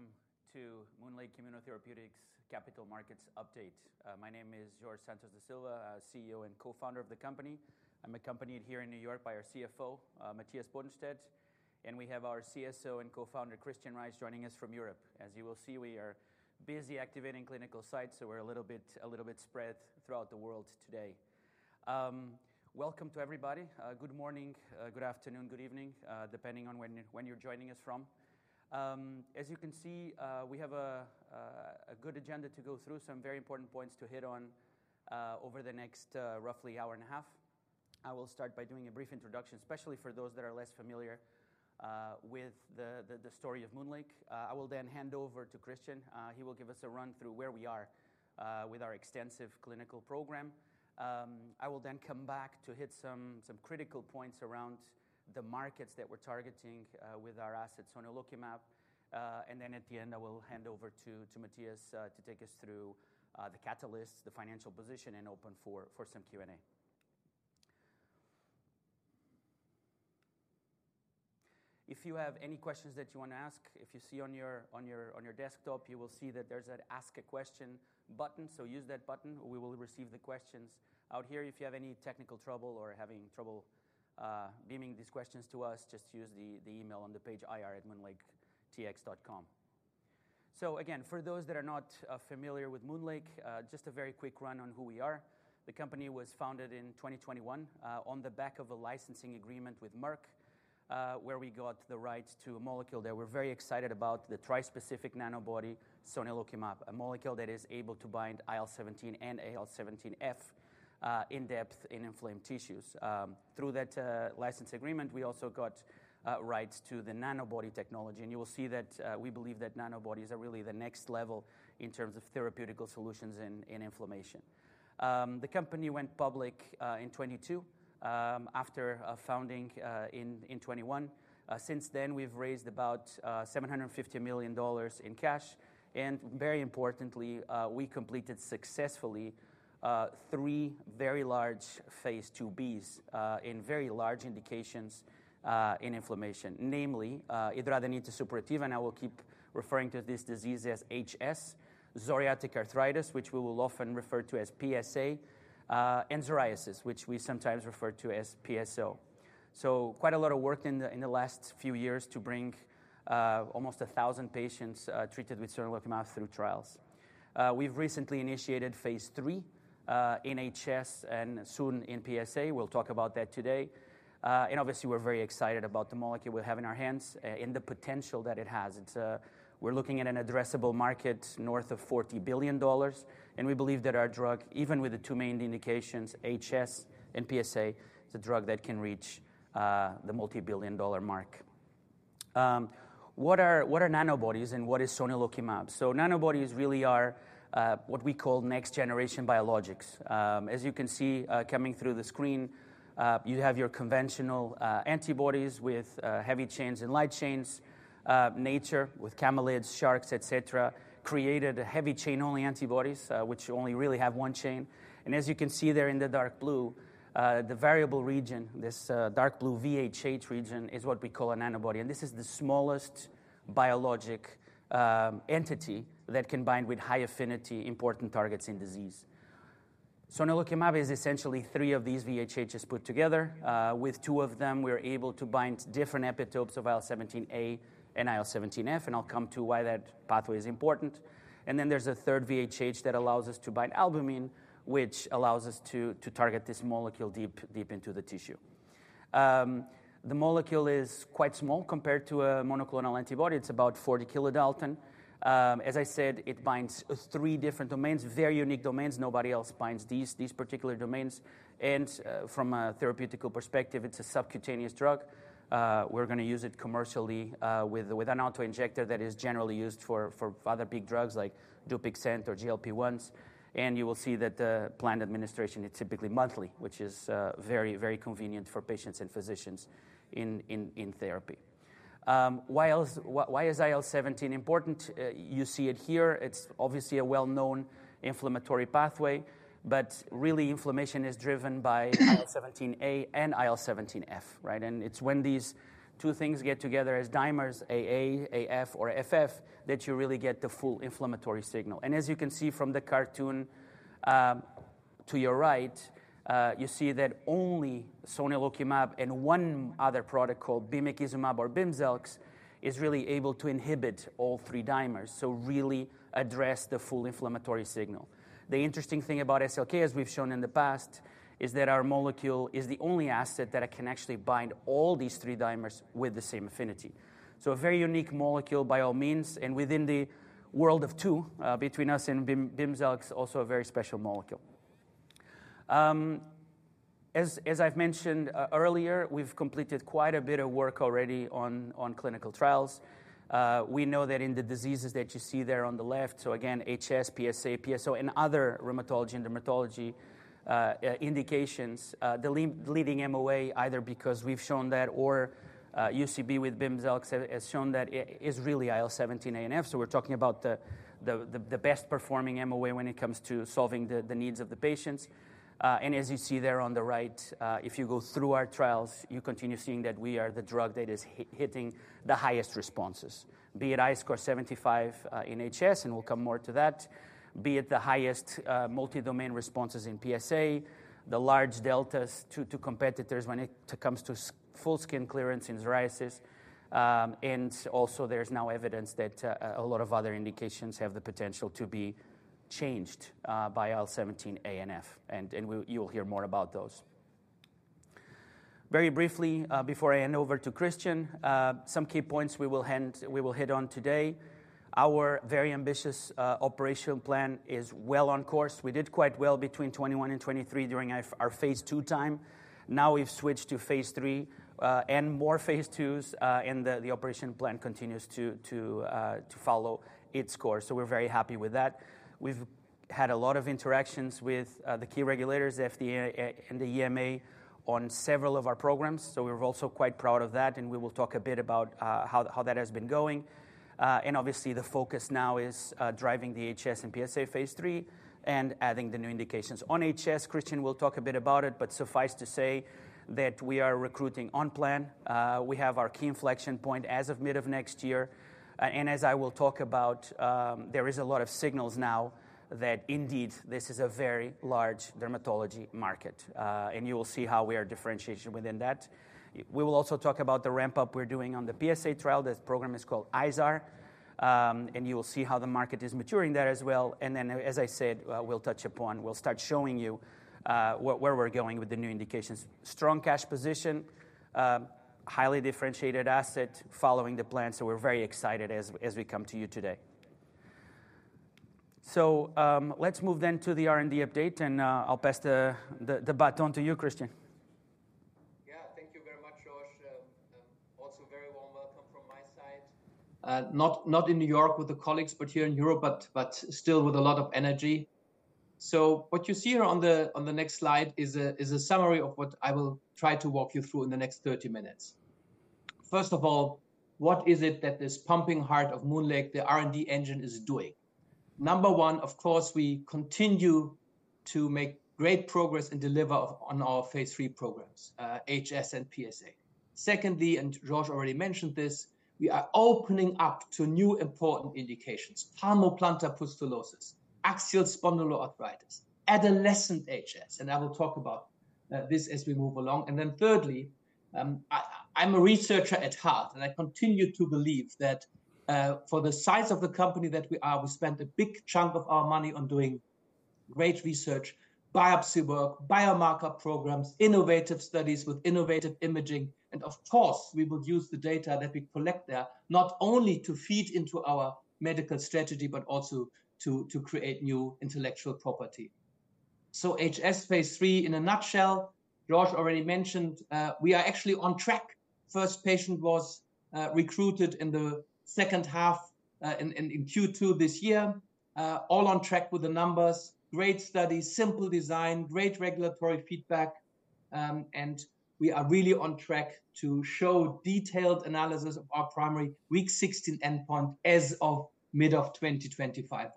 ...Welcome to MoonLake Immunotherapeutics Capital Markets Update. My name is Jorge Santos da Silva, CEO and co-founder of the company. I'm accompanied here in New York by our CFO, Matthias Bodenstedt, and we have our CSO and co-founder, Kristian Reich, joining us from Europe. As you will see, we are busy activating clinical sites, so we're a little bit spread throughout the world today. Welcome to everybody. Good morning, good afternoon, good evening, depending on when you're joining us from. As you can see, we have a good agenda to go through, some very important points to hit on, over the next, roughly hour and a half. I will start by doing a brief introduction, especially for those that are less familiar, with the, the story of MoonLake. I will then hand over to Kristian. He will give us a run through where we are with our extensive clinical program. I will then come back to hit some critical points around the markets that we're targeting with our asset sonelokimab. And then at the end, I will hand over to Matthias to take us through the catalysts, the financial position, and open for some Q&A. If you have any questions that you want to ask, if you see on your desktop, you will see that there's an Ask a Question button, so use that button. We will receive the questions out here. If you have any technical trouble or are having trouble beaming these questions to us, just use the email on the page ir@moonlaketx.com. So again, for those that are not familiar with MoonLake, just a very quick run on who we are. The company was founded in 2021, on the back of a licensing agreement with Merck, where we got the rights to a molecule that we're very excited about, the tri-specific nanobody sonelokimab, a molecule that is able to bind IL-17A and IL-17F, and deep in inflamed tissues. Through that license agreement, we also got rights to the nanobody technology, and you will see that we believe that nanobodies are really the next level in terms of therapeutical solutions in inflammation. The company went public in 2022, after a founding in 2021. Since then, we've raised about $750 million in cash, and very importantly, we completed successfully three very large phase II Bs in very large indications in inflammation. Namely, hidradenitis suppurativa, and I will keep referring to this disease as HS. Psoriatic arthritis, which we will often refer to as PSA, and psoriasis, which we sometimes refer to as PSO. So quite a lot of work in the last few years to bring almost a thousand patients treated with sonelokimab through trials. We've recently initiated phase III in HS and soon in PSA. We'll talk about that today. And obviously, we're very excited about the molecule we have in our hands and the potential that it has. It's... We're looking at an addressable market north of $40 billion, and we believe that our drug, even with the two main indications, HS and PsA, is a drug that can reach the multi-billion-dollar mark. What are nanobodies, and what is sonelokimab? So nanobodies really are what we call next-generation biologics. As you can see coming through the screen, you have your conventional antibodies with heavy chains and light chains. Nature, with camelids, sharks, et cetera, created heavy chain-only antibodies, which only really have one chain. And as you can see there in the dark blue, the variable region, this dark blue VHH region, is what we call an antibody, and this is the smallest biologic entity that can bind with high affinity important targets in disease. Sonelokimab is essentially three of these VHHs put together. With two of them, we're able to bind different epitopes of IL-17A and IL-17F, and I'll come to why that pathway is important, and then there's a third VHH that allows us to bind albumin, which allows us to target this molecule deep into the tissue. The molecule is quite small compared to a monoclonal antibody. It's about 40 kilodalton. As I said, it binds three different domains, very unique domains. Nobody else binds these particular domains, and from a therapeutic perspective, it's a subcutaneous drug. We're gonna use it commercially with an auto-injector that is generally used for other big drugs like Dupixent or GLP-1s. And you will see that the planned administration is typically monthly, which is very, very convenient for patients and physicians in therapy. Why is IL-17 important? You see it here. It's obviously a well-known inflammatory pathway, but really inflammation is driven by IL-17A and IL-17F, right? And it's when these two things get together as dimers, AA, AF or FF, that you really get the full inflammatory signal. And as you can see from the cartoon to your right, you see that only sonelokimab and one other product called bimekizumab or Bimzelx is really able to inhibit all three dimers, so really address the full inflammatory signal. The interesting thing about SLK, as we've shown in the past, is that our molecule is the only asset that can actually bind all these three dimers with the same affinity. So a very unique molecule by all means, and within the world of two, between us and Bimzelx, also a very special molecule. As I've mentioned earlier, we've completed quite a bit of work already on clinical trials. We know that in the diseases that you see there on the left, so again, HS, PsA, PSO, and other rheumatology and dermatology indications, the leading MOA, either because we've shown that or UCB with Bimzelx, has shown that it is really IL-17 A and F. So we're talking about the best performing MOA when it comes to solving the needs of the patients. And as you see there on the right, if you go through our trials, you continue seeing that we are the drug that is hitting the highest responses, be it HiSCR75 in HS, and we'll come more to that. Be it the highest multi-domain responses in PsA, the large deltas to competitors when it comes to full skin clearance in psoriasis, and also there's now evidence that a lot of other indications have the potential to be changed by IL-17A and IL-17F, and you will hear more about those. Very briefly, before I hand over to Kristian, some key points we will hit on today. Our very ambitious operational plan is well on course. We did quite well between 2021 and 2023 during our phase II time. Now we've switched to phase III and more phase IIs, and the operation plan continues to follow its course, so we're very happy with that. We've had a lot of interactions with the key regulators, FDA and the EMA, on several of our programs, so we're also quite proud of that, and we will talk a bit about how that has been going, and obviously, the focus now is driving the HS and PsA phase III and adding the new indications. On HS, Kristian will talk a bit about it, but suffice to say that we are recruiting on plan. We have our key inflection point as of mid of next year, and as I will talk about, there is a lot of signals now that indeed this is a very large dermatology market. You will see how we are differentiating within that. We will also talk about the ramp-up we're doing on the PSA trial. This program is called IZAR. You will see how the market is maturing there as well, and then, as I said, we'll touch upon. We'll start showing you where we're going with the new indications. Strong cash position, highly differentiated asset, following the plan, so we're very excited as we come to you today. Let's move then to the R&D update, and I'll pass the baton to you, Kristian. Yeah. Thank you very much, Jorge. Also a very warm welcome from my side. Not in New York with the colleagues, but here in Europe, but still with a lot of energy. So what you see here on the next slide is a summary of what I will try to walk you through in the next thirty minutes. First of all, what is it that this pumping heart of MoonLake, the R&D engine, is doing? Number one, of course, we continue to make great progress and deliver on our phase III programs, HS and PsA. Secondly, and Jorge already mentioned this, we are opening up to new important indications: palmoplantar pustulosis, axial spondyloarthritis, adolescent HS, and I will talk about this as we move along. Thirdly, I’m a researcher at heart, and I continue to believe that, for the size of the company that we are, we spend a big chunk of our money on doing great research, biopsy work, biomarker programs, innovative studies with innovative imaging, and of course, we would use the data that we collect there not only to feed into our medical strategy but also to create new intellectual property. HS phase III in a nutshell, Jorge already mentioned, we are actually on track. First patient was recruited in the second half, in Q2 of this year. All on track with the numbers, great study, simple design, great regulatory feedback, and we are really on track to show detailed analysis of our primary week 16 endpoint as of mid-2025.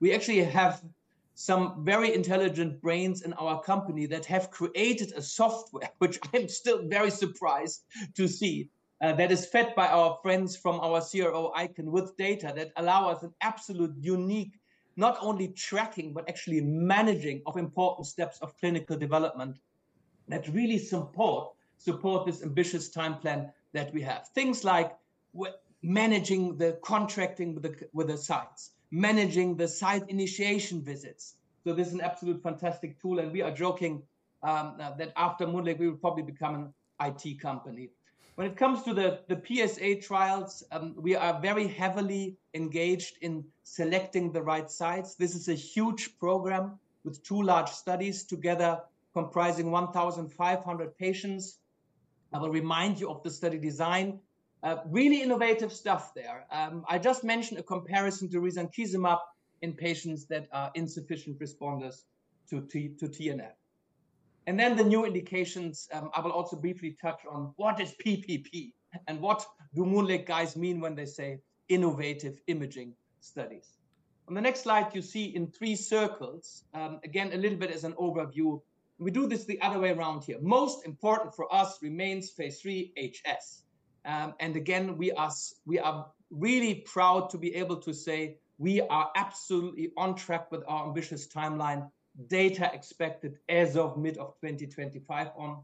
We actually have some very intelligent brains in our company that have created a software which I'm still very surprised to see, that is fed by our friends from our CRO ICON with data that allow us an absolute unique, not only tracking but actually managing of important steps of clinical development, that really support this ambitious time plan that we have. Things like managing the contracting with the sites, managing the site initiation visits. So this is an absolute fantastic tool, and we are joking, that after MoonLake, we will probably become an IT company. When it comes to the PSA trials, we are very heavily engaged in selecting the right sites. This is a huge program with two large studies together, comprising 1,500 patients. I will remind you of the study design. Really innovative stuff there. I just mentioned a comparison to risankizumab in patients that are insufficient responders to to TNF. And then the new indications, I will also briefly touch on what is PPP, and what do MoonLake guys mean when they say innovative imaging studies? On the next slide, you see in three circles, again, a little bit as an overview. We do this the other way around here. Most important for us remains phase III HS. And again, we are we are really proud to be able to say we are absolutely on track with our ambitious timeline. Data expected as of mid of 2025 on.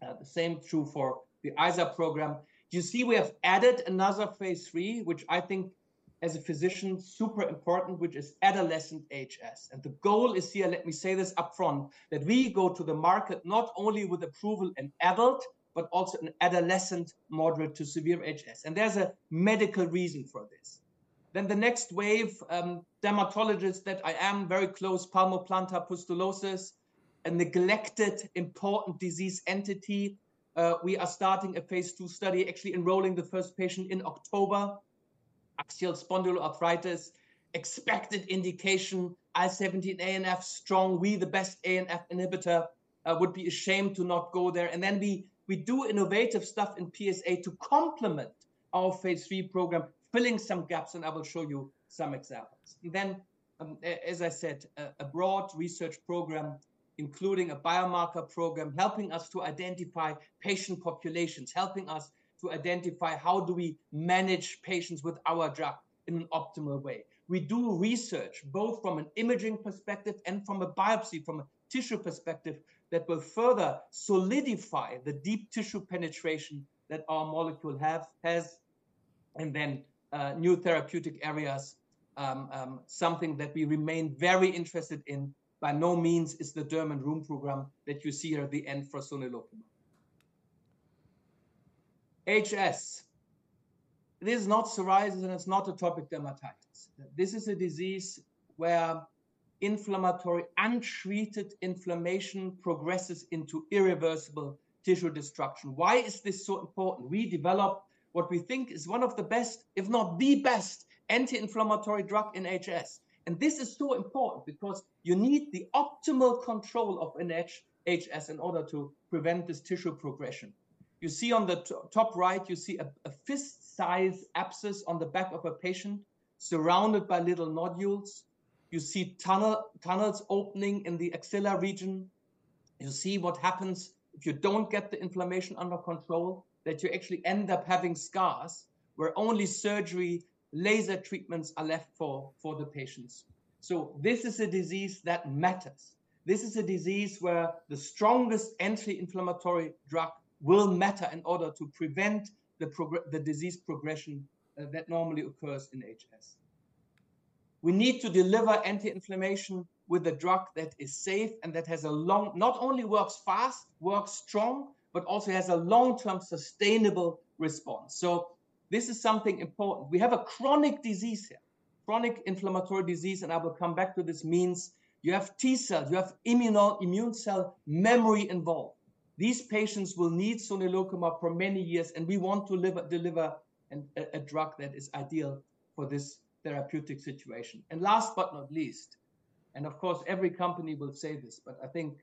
The same true for the IZAR program. You see, we have added another phase III, which I think as a physician, super important, which is adolescent HS, and the goal is here, let me say this upfront, that we go to the market not only with approval in adult, but also in adolescent moderate to severe HS, and there's a medical reason for this. Then the next wave, dermatologist that I am very close, palmoplantar pustulosis, a neglected important disease entity. We are starting a phase II study, actually enrolling the first patient in October. Axial spondyloarthritis, expected indication IL-17A/F strong. We, the best IL-17A/F inhibitor, would be a shame to not go there. And then we do innovative stuff in PsA to complement our phase III program, filling some gaps, and I will show you some examples. Then, as I said, a broad research program, including a biomarker program, helping us to identify patient populations, helping us to identify how do we manage patients with our drug in an optimal way. We do research both from an imaging perspective and from a biopsy, from a tissue perspective, that will further solidify the deep tissue penetration that our molecule has and then, new therapeutic areas, something that we remain very interested in, by no means is the derm and rheum program that you see here at the end for sonelokimab. HS. It is not psoriasis, and it's not atopic dermatitis. This is a disease where inflammatory, untreated inflammation progresses into irreversible tissue destruction. Why is this so important? We developed what we think is one of the best, if not the best, anti-inflammatory drug in HS. This is so important because you need the optimal control of an HS in order to prevent this tissue progression. You see on the top right, you see a fist-sized abscess on the back of a patient, surrounded by little nodules. You see tunnels opening in the axilla region. You see what happens if you don't get the inflammation under control, that you actually end up having scars, where only surgery, laser treatments are left for the patients. This is a disease that matters. This is a disease where the strongest anti-inflammatory drug will matter in order to prevent the disease progression that normally occurs in HS. We need to deliver anti-inflammation with a drug that is safe and not only works fast, works strong, but also has a long-term sustainable response. This is something important. We have a chronic disease here, chronic inflammatory disease, and I will come back to this, means you have T cells, you have immune cell memory involved. These patients will need sonelokimab for many years, and we want to deliver a drug that is ideal for this therapeutic situation. Last but not least, and of course, every company will say this, but I think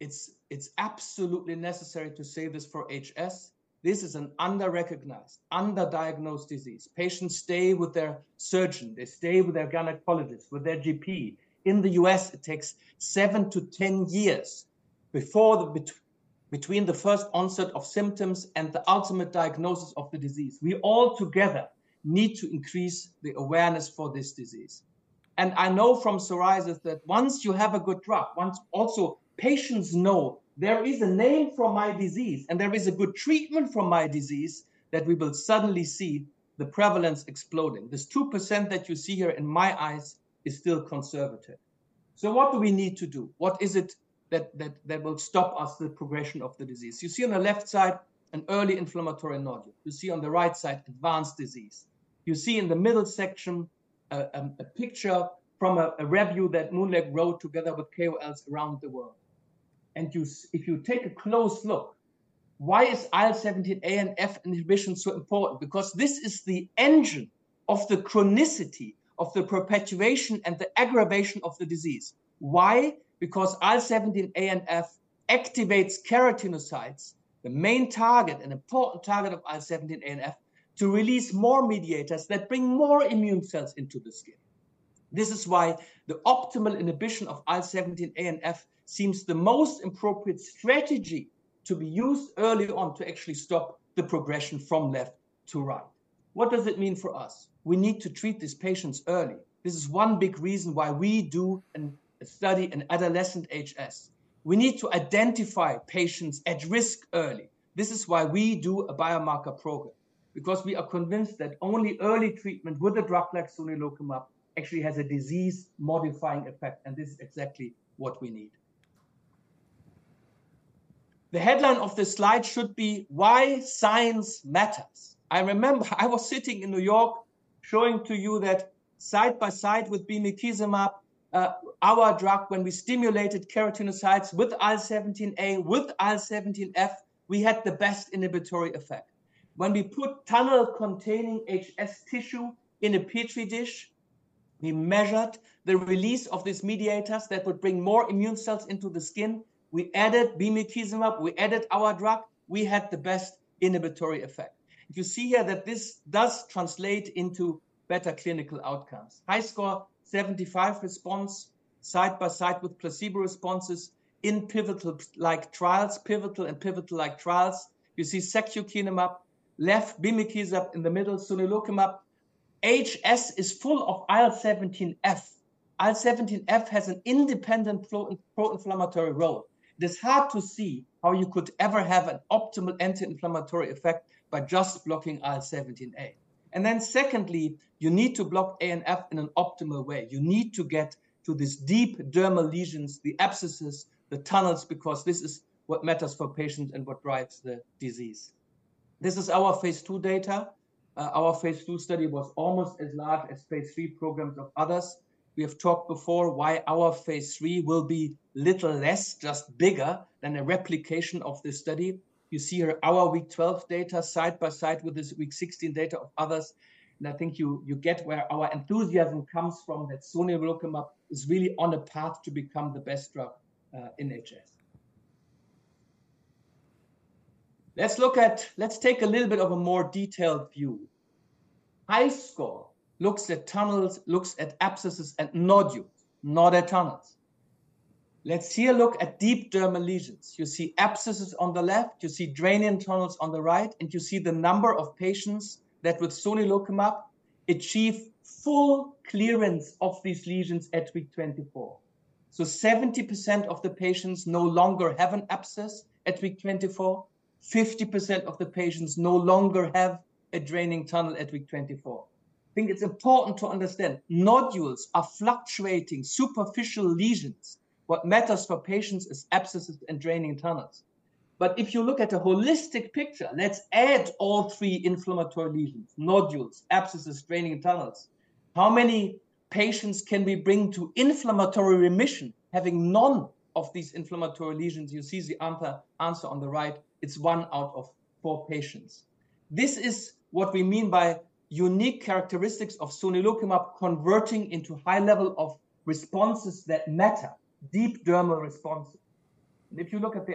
it's absolutely necessary to say this for HS. This is an underrecognized, underdiagnosed disease. Patients stay with their surgeon, they stay with their gynecologist, with their GP. In the U.S., it takes seven to ten years before the between the first onset of symptoms and the ultimate diagnosis of the disease. We all together need to increase the awareness for this disease. I know from psoriasis that once you have a good drug, once also patients know there is a name for my disease and there is a good treatment for my disease, that we will suddenly see the prevalence exploding. This 2% that you see here, in my eyes, is still conservative. So what do we need to do? What is it that will stop us, the progression of the disease? You see on the left side an early inflammatory nodule. You see on the right side, advanced disease. You see in the middle section, a picture from a review that MoonLake wrote together with KOLs around the world. And if you take a close look, why is IL-17A and IL-17F inhibition so important? Because this is the engine of the chronicity of the perpetuation and the aggravation of the disease. Why? Because IL-17A and IL-17F activates keratinocytes, the main target, an important target of IL-17A and IL-17F, to release more mediators that bring more immune cells into the skin. This is why the optimal inhibition of IL-17A and IL-17F seems the most appropriate strategy to be used early on to actually stop the progression from left to right. What does it mean for us? We need to treat these patients early. This is one big reason why we do a study in adolescent HS. We need to identify patients at risk early. This is why we do a biomarker program, because we are convinced that only early treatment with a drug like sonelokimab actually has a disease-modifying effect, and this is exactly what we need. The headline of this slide s hould be, "Why science matters?" I remember I was sitting in New York showing to you that side by side with bimekizumab, our drug, when we stimulated keratinocytes with IL-17A, with IL-17F, we had the best inhibitory effect. When we put tunnel-containing HS tissue in a Petri dish, we measured the release of these mediators that would bring more immune cells into the skin. We added bimekizumab, we added our drug, we had the best inhibitory effect. You see here that this does translate into better clinical outcomes. High score, 75 response, side by side with placebo responses in pivotal-like trials, pivotal and pivotal-like trials. You see secukinumab, left, bimekizumab in the middle, sonelokimab. HS is full of IL-17F. IL-17F has an independent proinflammatory role. It is hard to see how you could ever have an optimal anti-inflammatory effect by just blocking IL-17A. And then secondly, you need to block A and F in an optimal way. You need to get to these deep dermal lesions, the abscesses, the tunnels, because this is what matters for patients and what drives the disease. This is our phase II data. Our phase II study was almost as large as phase III programs of others. We have talked before why our phase III will be little less, just bigger than a replication of this study. You see here our week 12 data side by side with this week 16 data of others, and I think you get where our enthusiasm comes from, that sonelokimab is really on a path to become the best drug in HS. Let's look at... Let's take a little bit of a more detailed view. HiSCR looks at tunnels, looks at abscesses and nodules, not at tunnels. Let's see a look at deep dermal lesions. You see abscesses on the left, you see draining tunnels on the right, and you see the number of patients that with sonelokimab achieve full clearance of these lesions at week 24. So 70% of the patients no longer have an abscess at week 24. 50% of the patients no longer have a draining tunnel at week 24. I think it's important to understand, nodules are fluctuating superficial lesions. What matters for patients is abscesses and draining tunnels. But if you look at a holistic picture, let's add all three inflammatory lesions, nodules, abscesses, draining tunnels. How many patients can we bring to inflammatory remission, having none of these inflammatory lesions? You see the answer, answer on the right, it's one out of four patients. This is what we mean by unique characteristics of sonelokimab converting into high level of responses that matter, deep dermal responses. And if you look at the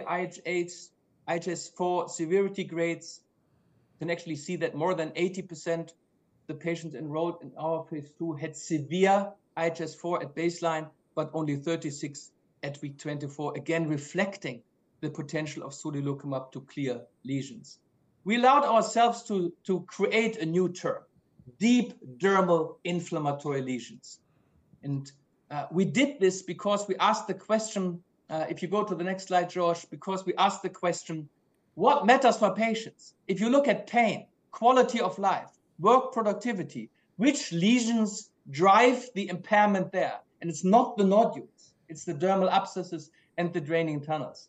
IHS4 severity grades, you can actually see that more than 80% the patients enrolled in our phase II had severe IHS4 at baseline, but only 36% at week 24, again, reflecting the potential of sonelokimab to clear lesions. We allowed ourselves to create a new term, deep dermal inflammatory lesions. And we did this because we asked the question, if you go to the next slide, Josh, because we asked the question: What matters for patients? If you look at pain, quality of life, work productivity, which lesions drive the impairment there? And it's not the nodules, it's the dermal abscesses and the draining tunnels.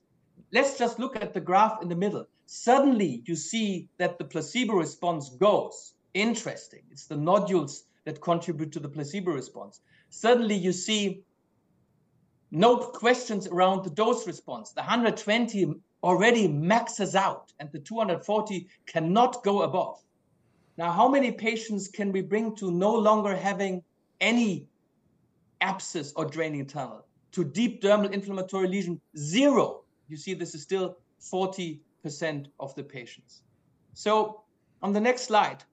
Let's just look at the graph in the middle. Suddenly, you see that the placebo response goes. Interesting. It's the nodules that contribute to the placebo response. Suddenly, you see no questions around the dose response. The 120 already maxes out, and the 240 cannot go above. Now, how many patients can we bring to no longer having any abscess or draining tunnel to deep dermal inflammatory lesion? Zero. You see, this is still 40% of the patients. So on the next slide,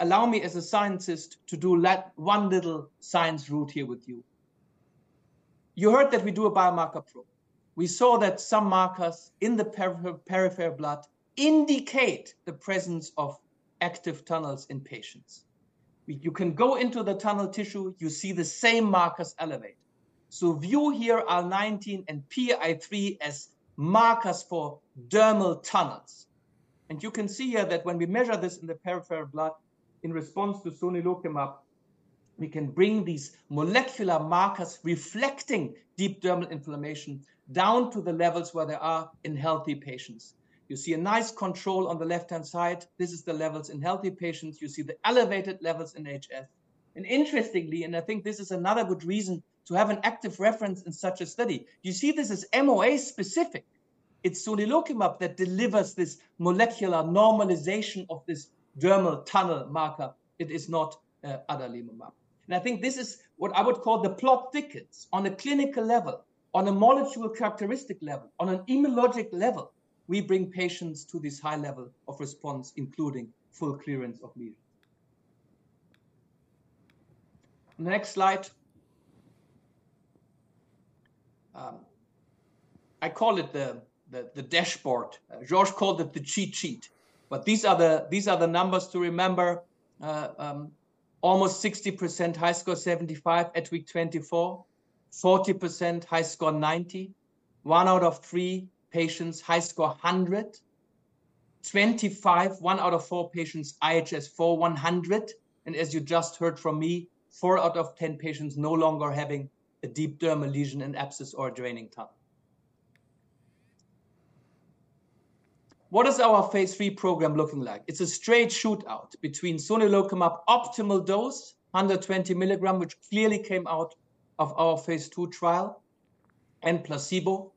allow me, as a scientist, to do one little science route here with you. You heard that we do a biomarker proof. We saw that some markers in the peripheral blood indicate the presence of active tunnels in patients. You can go into the tunnel tissue, you see the same markers elevate. So view here R19 and PI3 as markers for dermal tunnels. And you can see here that when we measure this in the peripheral blood, in response to sonelokimab, we can bring these molecular markers reflecting deep dermal inflammation down to the levels where they are in healthy patients. You see a nice control on the left-hand side. This is the levels in healthy patients. You see the elevated levels in HS. And interestingly, and I think this is another good reason to have an active reference in such a study, you see this is MOA specific. It's sonelokimab that delivers this molecular normalization of this dermal tunnel marker. It is not adalimumab. I think this is what I would call the plot thickens on a clinical level, on a molecular characteristic level, on an immunologic level. We bring patients to this high level of response, including full clearance of lesion. Next slide. I call it the dashboard. Josh called it the cheat sheet, but these are the numbers to remember. Almost 60% HiSCR75 at week 24, 40% HiSCR90, one out of three patients HiSCR100 at week 25, one out of four patients IHS4 100%, and as you just heard from me, four out of ten patients no longer having a deep dermal lesion and abscess or a draining tunnel. What is our phase III program looking like? It's a straight shootout between sonelokimab optimal dose, 120 milligrams, which clearly came out of our phase II trial, and placebo.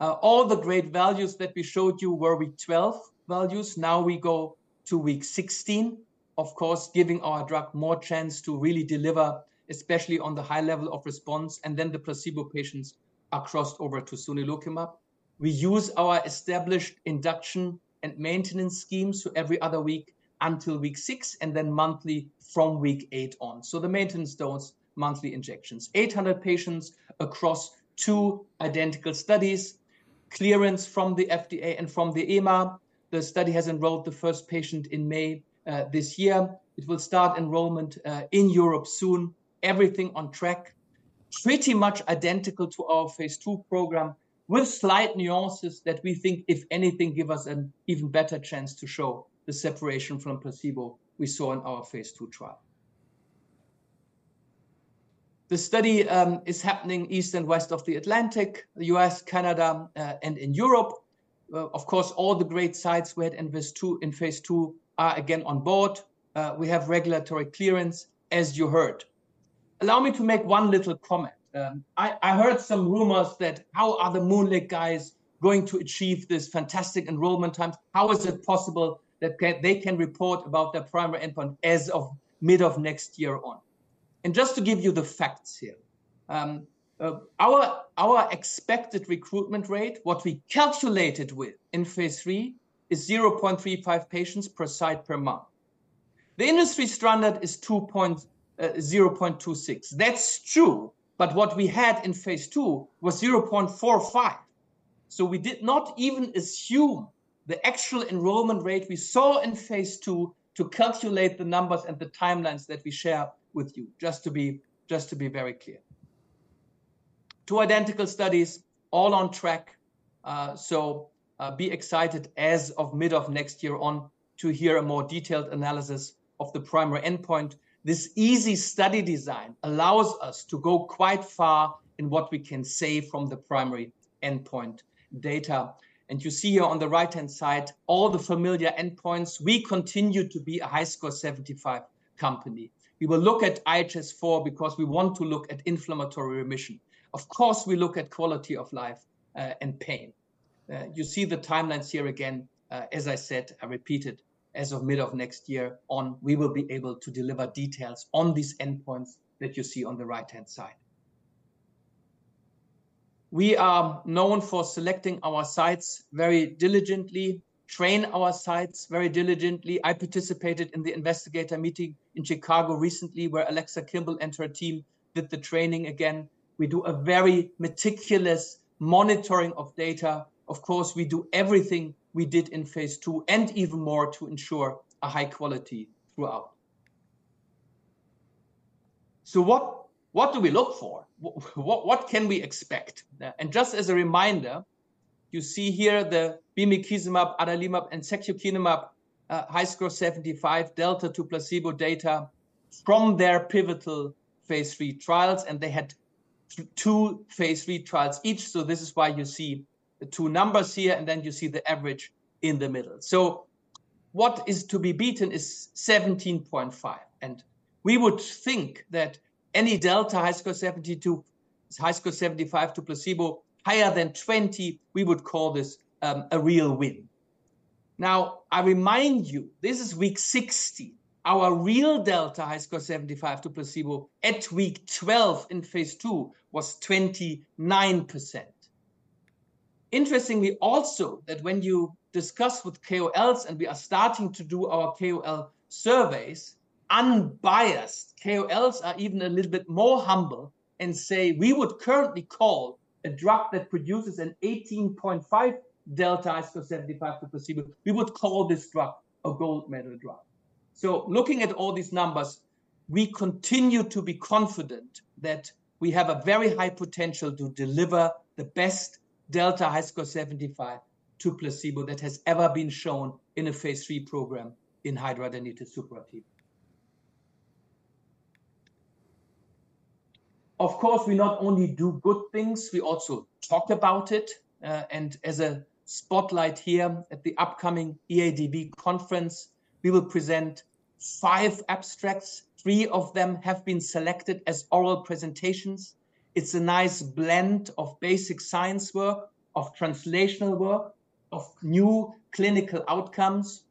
All the great values that we showed you were week 12 values. Now we go to week 16, of course, giving our drug more chance to really deliver, especially on the high level of response, and then the placebo patients are crossed over to sonelokimab. We use our established induction and maintenance schemes, so every other week until week 6, and then monthly from week 8 on. So the maintenance dose, monthly injections. 800 patients across two identical studies, clearance from the FDA and from the EMA. The study has enrolled the first patient in May this year. It will start enrollment in Europe soon. Everything on track, pretty much identical to our phase II program, with slight nuances that we think, if anything, give us an even better chance to show the separation from placebo we saw in our phase II trial. The study is happening east and west of the Atlantic, the U.S., Canada, and in Europe. Of course, all the great sites we had in phase two, in phase II are again on board. We have regulatory clearance, as you heard. Allow me to make one little comment. I heard some rumors that, "How are the MoonLake guys going to achieve this fantastic enrollment times? How is it possible that they can report about their primary endpoint as of mid of next year on?" And just to give you the facts here, our expected recruitment rate, what we calculated with in phase III, is zero point three five patients per site per month. The industry standard is zero point two six. That's true, but what we had in phase II was zero point four five. So we did not even assume the actual enrollment rate we saw in phase II to calculate the numbers and the timelines that we share with you, just to be very clear. Two identical studies, all on track, so be excited as of mid of next year on to hear a more detailed analysis of the primary endpoint. This easy study design allows us to go quite far in what we can say from the primary endpoint data. And you see here on the right-hand side, all the familiar endpoints. We continue to be a HiSCR75 company. We will look at IHS4 because we want to look at inflammatory remission. Of course, we look at quality of life, and pain. You see the timelines here again, as I said, I repeat it, as of mid of next year on, we will be able to deliver details on these endpoints that you see on the right-hand side. We are known for selecting our sites very diligently, train our sites very diligently. I participated in the investigator meeting in Chicago recently, where Alexa Kimball and her team did the training again. We do a very meticulous monitoring of data. Of course, we do everything we did in phase I and even more to ensure a high quality throughout. So what do we look for? What can we expect? And just as a reminder, you see here the bimekizumab, adalimumab, and secukinumab, high score seventy-five delta to placebo data from their pivotal phase III trials, and they had two phase III trials each. So this is why you see the two numbers here, and then you see the average in the middle. So what is to be beaten is 17.5, and we would think that any delta high score seventy-two, high score seventy-five to placebo, higher than 20, we would call this a real win. Now, I remind you, this is week 60. Our real delta high score seventy-five to placebo at week 12 in phase II was 29%. Interestingly, also, that when you discuss with KOLs, and we are starting to do our KOL surveys, unbiased KOLs are even a little bit more humble and say: "We would currently call a drug that produces an 18.5 delta HiSCR75 to placebo, we would call this drug a gold medal drug." So looking at all these numbers, we continue to be confident that we have a very high potential to deliver the best delta HiSCR75 to placebo that has ever been shown in a phase III program in hidradenitis suppurativa. Of course, we not only do good things, we also talk about it. And as a spotlight here at the upcoming EADV conference, we will present five abstracts. Three of them have been selected as oral presentations. It's a nice blend of basic science work, of translational work, of new clinical outcomes.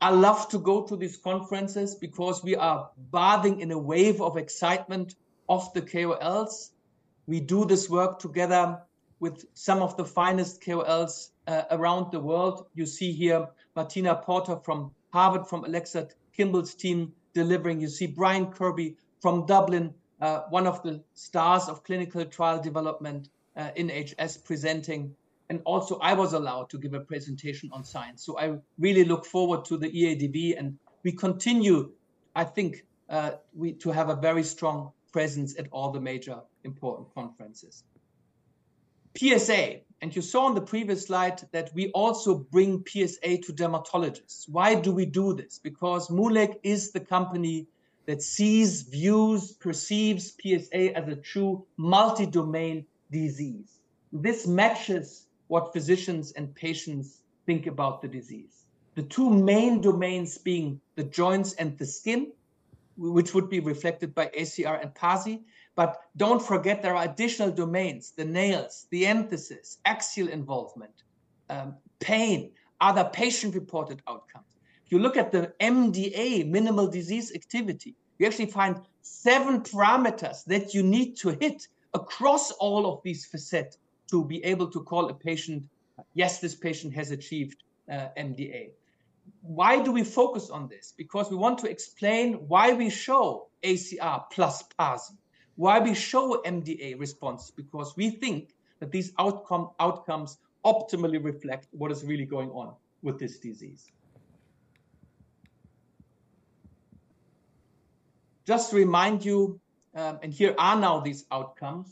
I love to go to these conferences because we are bathing in a wave of excitement of the KOLs. We do this work together with some of the finest KOLs around the world. You see here, Martina Porter from Harvard, from Alexa Kimball's team, delivering. You see Brian Kirby from Dublin, one of the stars of clinical trial development in HS presenting, and also, I was allowed to give a presentation on science. So I really look forward to the EADV, and we continue, I think, to have a very strong presence at all the major important conferences. PSA, and you saw on the previous slide that we also bring PSA to dermatologists. Why do we do this? Because MoonLake is the company that sees, views, perceives PSA as a true multi-domain disease. This matches what physicians and patients think about the disease. The two main domains being the joints and the skin, which would be reflected by ACR and PASI. But don't forget, there are additional domains, the nails, the enthesis, axial involvement, pain, other patient-reported outcomes. If you look at the MDA, Minimal Disease Activity, you actually find seven parameters that you need to hit across all of these facets to be able to call a patient, "Yes, this patient has achieved MDA." Why do we focus on this? Because we want to explain why we show ACR plus PASI, why we show MDA response, because we think that these outcomes optimally reflect what is really going on with this disease. Just to remind you, and here are now these outcomes,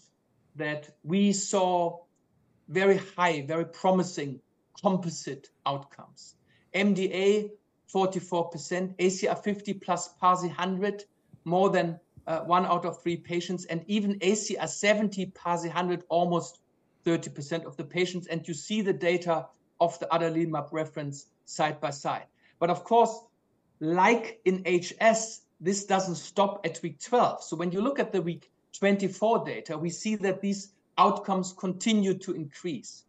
that we saw very high, very promising composite outcomes. MDA 44%, ACR50 plus PASI100, more than one out of three patients, and even ACR70 PASI100, almost 30% of the patients. You see the data of the adalimumab reference side by side. But of course, like in HS, this doesn't stop at week 12. So when you look at the week 24 data, we see that these outcomes continue to increase.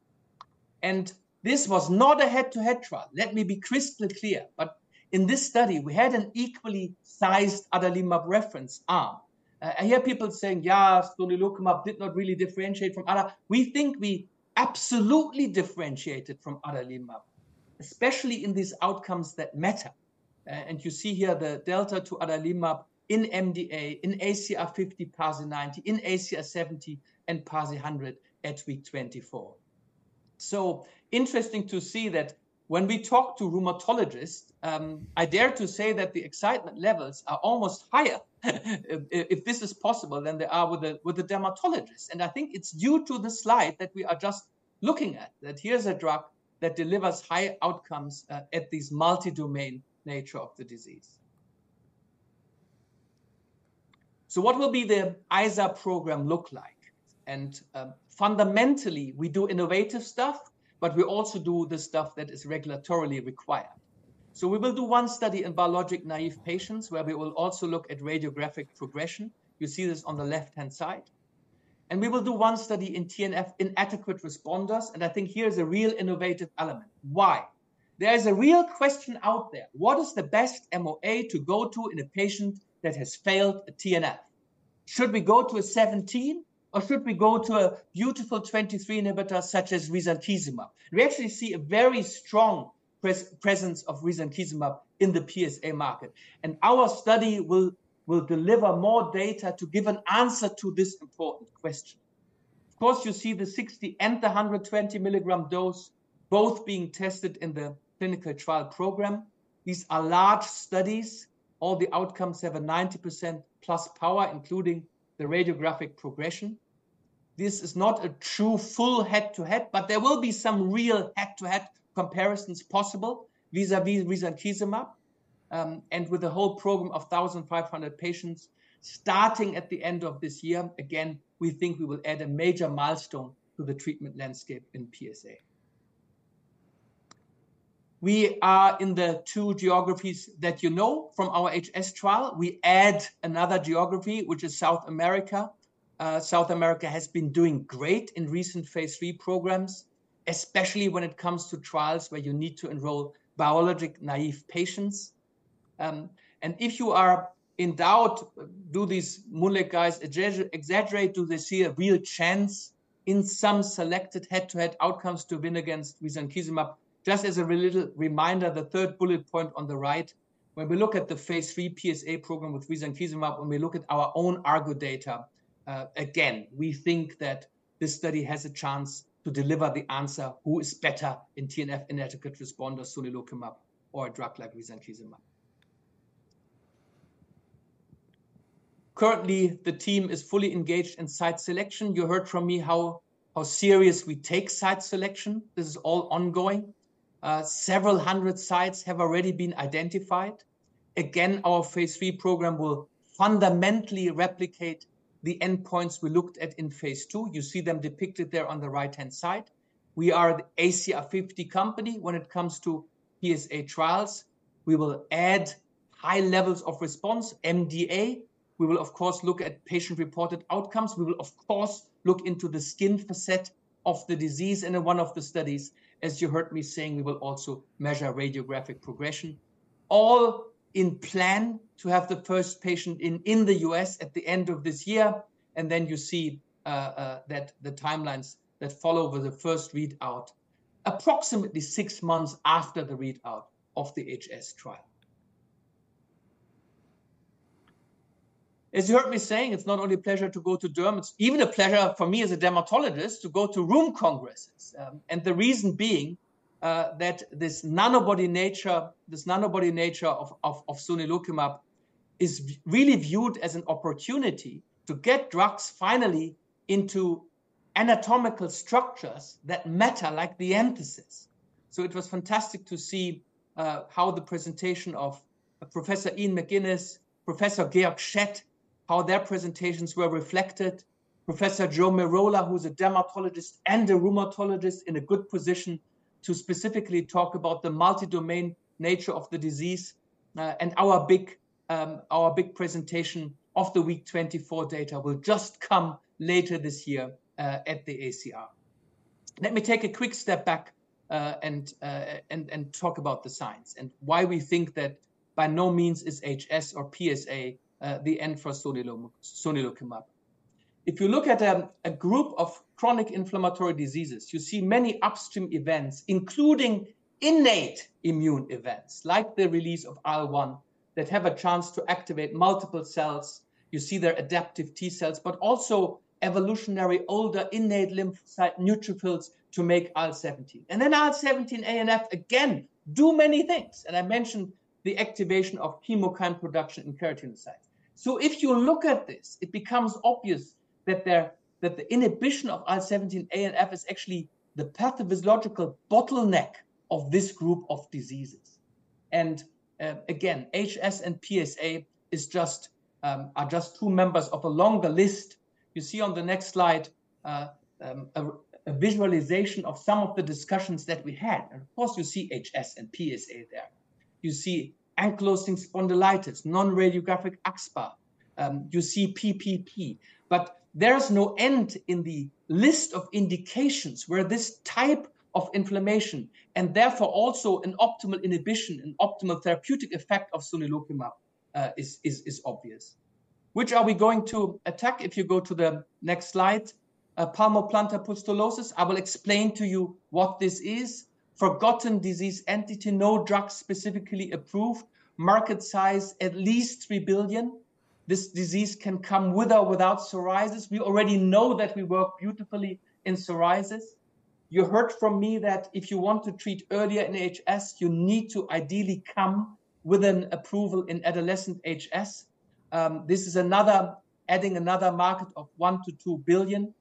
This was not a head-to-head trial. Let me be crystal clear. But in this study, we had an equally sized adalimumab reference arm. I hear people saying, "Yeah, sonelokimab did not really differentiate from ada-." We think we absolutely differentiated from adalimumab, especially in these outcomes that matter. And you see here the delta to adalimumab in MDA, in ACR50 PASI90, in ACR70, and PASI100 at week 24. So interesting to see that when we talk to rheumatologists, I dare to say that the excitement levels are almost higher, if, if this is possible, than they are with the dermatologists. And I think it's due to the slide that we are just looking at, that here's a drug that delivers high outcomes at this multi-domain nature of the disease. So what will the IZAR program look like? And fundamentally, we do innovative stuff, but we also do the stuff that is regulatorily required. So we will do one study in biologic-naive patients, where we will also look at radiographic progression. You see this on the left-hand side. And we will do one study in TNF inadequate responders, and I think here is a real innovative element. Why? There is a real question out there: What is the best MOA to go to in a patient that has failed a TNF? Should we go to an IL-17, or should we go to an IL-23 inhibitor, such as risankizumab? We actually see a very strong presence of risankizumab in the PSA market, and our study will deliver more data to give an answer to this important question. Of course, you see the 60 and the 120 milligram dose both being tested in the clinical trial program. These are large studies. All the outcomes have a 90% plus power, including the radiographic progression. This is not a true full head-to-head, but there will be some real head-to-head comparisons possible vis-à-vis risankizumab. and with a whole program of 1,500 patients starting at the end of this year, again, we think we will add a major milestone to the treatment landscape in PsA. We are in the two geographies that you know from our HS trial. We add another geography, which is South America. South America has been doing great in recent phase III programs, especially when it comes to trials where you need to enroll biologic-naive patients. And if you are in doubt, do these MoonLake guys exaggerate? Do they see a real chance in some selected head-to-head outcomes to win against risankizumab? Just as a real little reminder, the third bullet point on the right, when we look at the phase III PsA program with risankizumab, when we look at our own ARGO data, again, we think that this study has a chance to deliver the answer, who is better in TNF inadequate responders, sonelokimab or a drug like risankizumab? Currently, the team is fully engaged in site selection. You heard from me how serious we take site selection. This is all ongoing. Several hundred sites have already been identified. Again, our phase III program will fundamentally replicate the endpoints we looked at in phase II. You see them depicted there on the right-hand side. We are the ACR 50 company when it comes to PsA trials. We will add high levels of response, MDA. We will, of course, look at patient-reported outcomes. We will, of course, look into the skin facet of the disease in one of the studies. As you heard me saying, we will also measure radiographic progression, all in the plan to have the first patient in the US at the end of this year. And then you see that the timelines that follow with the first readout, approximately six months after the readout of the HS trial. As you heard me saying, it's not only a pleasure to go to Germany, even a pleasure for me as a dermatologist to go to rheum congresses. And the reason being that this nanobody nature of sonelokimab is really viewed as an opportunity to get drugs finally into anatomical structures that matter, like the entheses. So it was fantastic to see how the presentation of Professor Iain McInnes, Professor Georg Schett, how their presentations were reflected. Professor Joe Merola, who's a dermatologist and a rheumatologist in a good position to specifically talk about the multi-domain nature of the disease, and our big presentation of the week 24 data will just come later this year at the ACR. Let me take a quick step back and talk about the science and why we think that by no means is HS or PsA the end for sonelokimab. If you look at a group of chronic inflammatory diseases, you see many upstream events, including innate immune events, like the release of IL-1, that have a chance to activate multiple cells. You see their adaptive T cells, but also evolutionary older innate lymphocyte neutrophils to make IL-17. And then IL-17A and F, again, do many things, and I mentioned the activation of chemokine production in keratinocytes. So if you look at this, it becomes obvious that the inhibition of IL-17A and F is actually the pathophysiological bottleneck of this group of diseases. And again, HS and PsA are just two members of a longer list. You see on the next slide, a visualization of some of the discussions that we had. And of course, you see HS and PsA there. You see ankylosing spondylitis, non-radiographic axSpA, you see PPP, but there is no end in the list of indications where this type of inflammation, and therefore, also an optimal inhibition, an optimal therapeutic effect of sonelokimab, is obvious. Which are we going to attack? If you go to the next slide. Palmoplantar pustulosis, I will explain to you what this is. Forgotten disease entity, no drug specifically approved. Market size, at least $3 billion. This disease can come with or without psoriasis. We already know that we work beautifully in psoriasis. You heard from me that if you want to treat earlier in HS, you need to ideally come with an approval in adolescent HS. This is another adding another market of $1-$2 billion.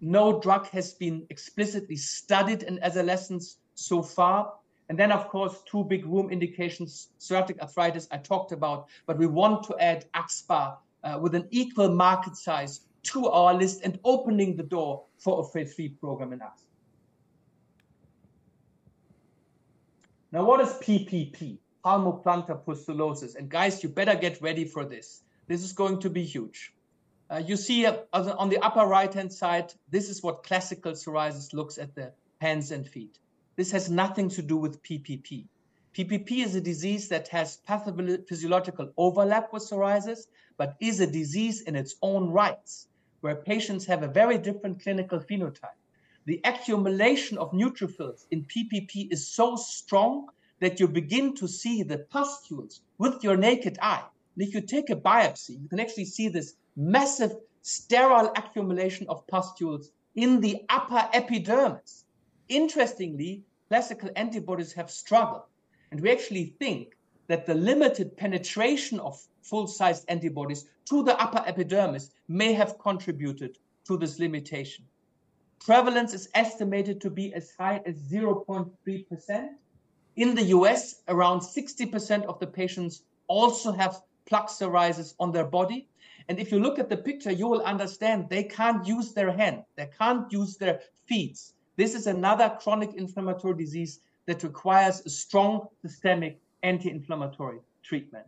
No drug has been explicitly studied in adolescents so far, and then, of course, two big rheum indications, psoriatic arthritis I talked about, but we want to add axSpA, with an equal market size to our list and opening the door for a phase III program in AS. Now, what is PPP? Palmoplantar pustulosis, and guys, you better get ready for this. This is going to be huge. You see up, on the, on the upper right-hand side, this is what classical psoriasis looks at the hands and feet. This has nothing to do with PPP. PPP is a disease that has pathophysiological overlap with psoriasis, but is a disease in its own rights, where patients have a very different clinical phenotype. The accumulation of neutrophils in PPP is so strong that you begin to see the pustules with your naked eye, and if you take a biopsy, you can actually see this massive sterile accumulation of pustules in the upper epidermis. Interestingly, classical antibodies have struggled, and we actually think that the limited penetration of full-sized antibodies to the upper epidermis may have contributed to this limitation. Prevalence is estimated to be as high as 0.3%. In the US, around 60% of the patients also have plaque psoriasis on their body, and if you look at the picture, you will understand they can't use their hand, they can't use their feet. This is another chronic inflammatory disease that requires a strong systemic anti-inflammatory treatment.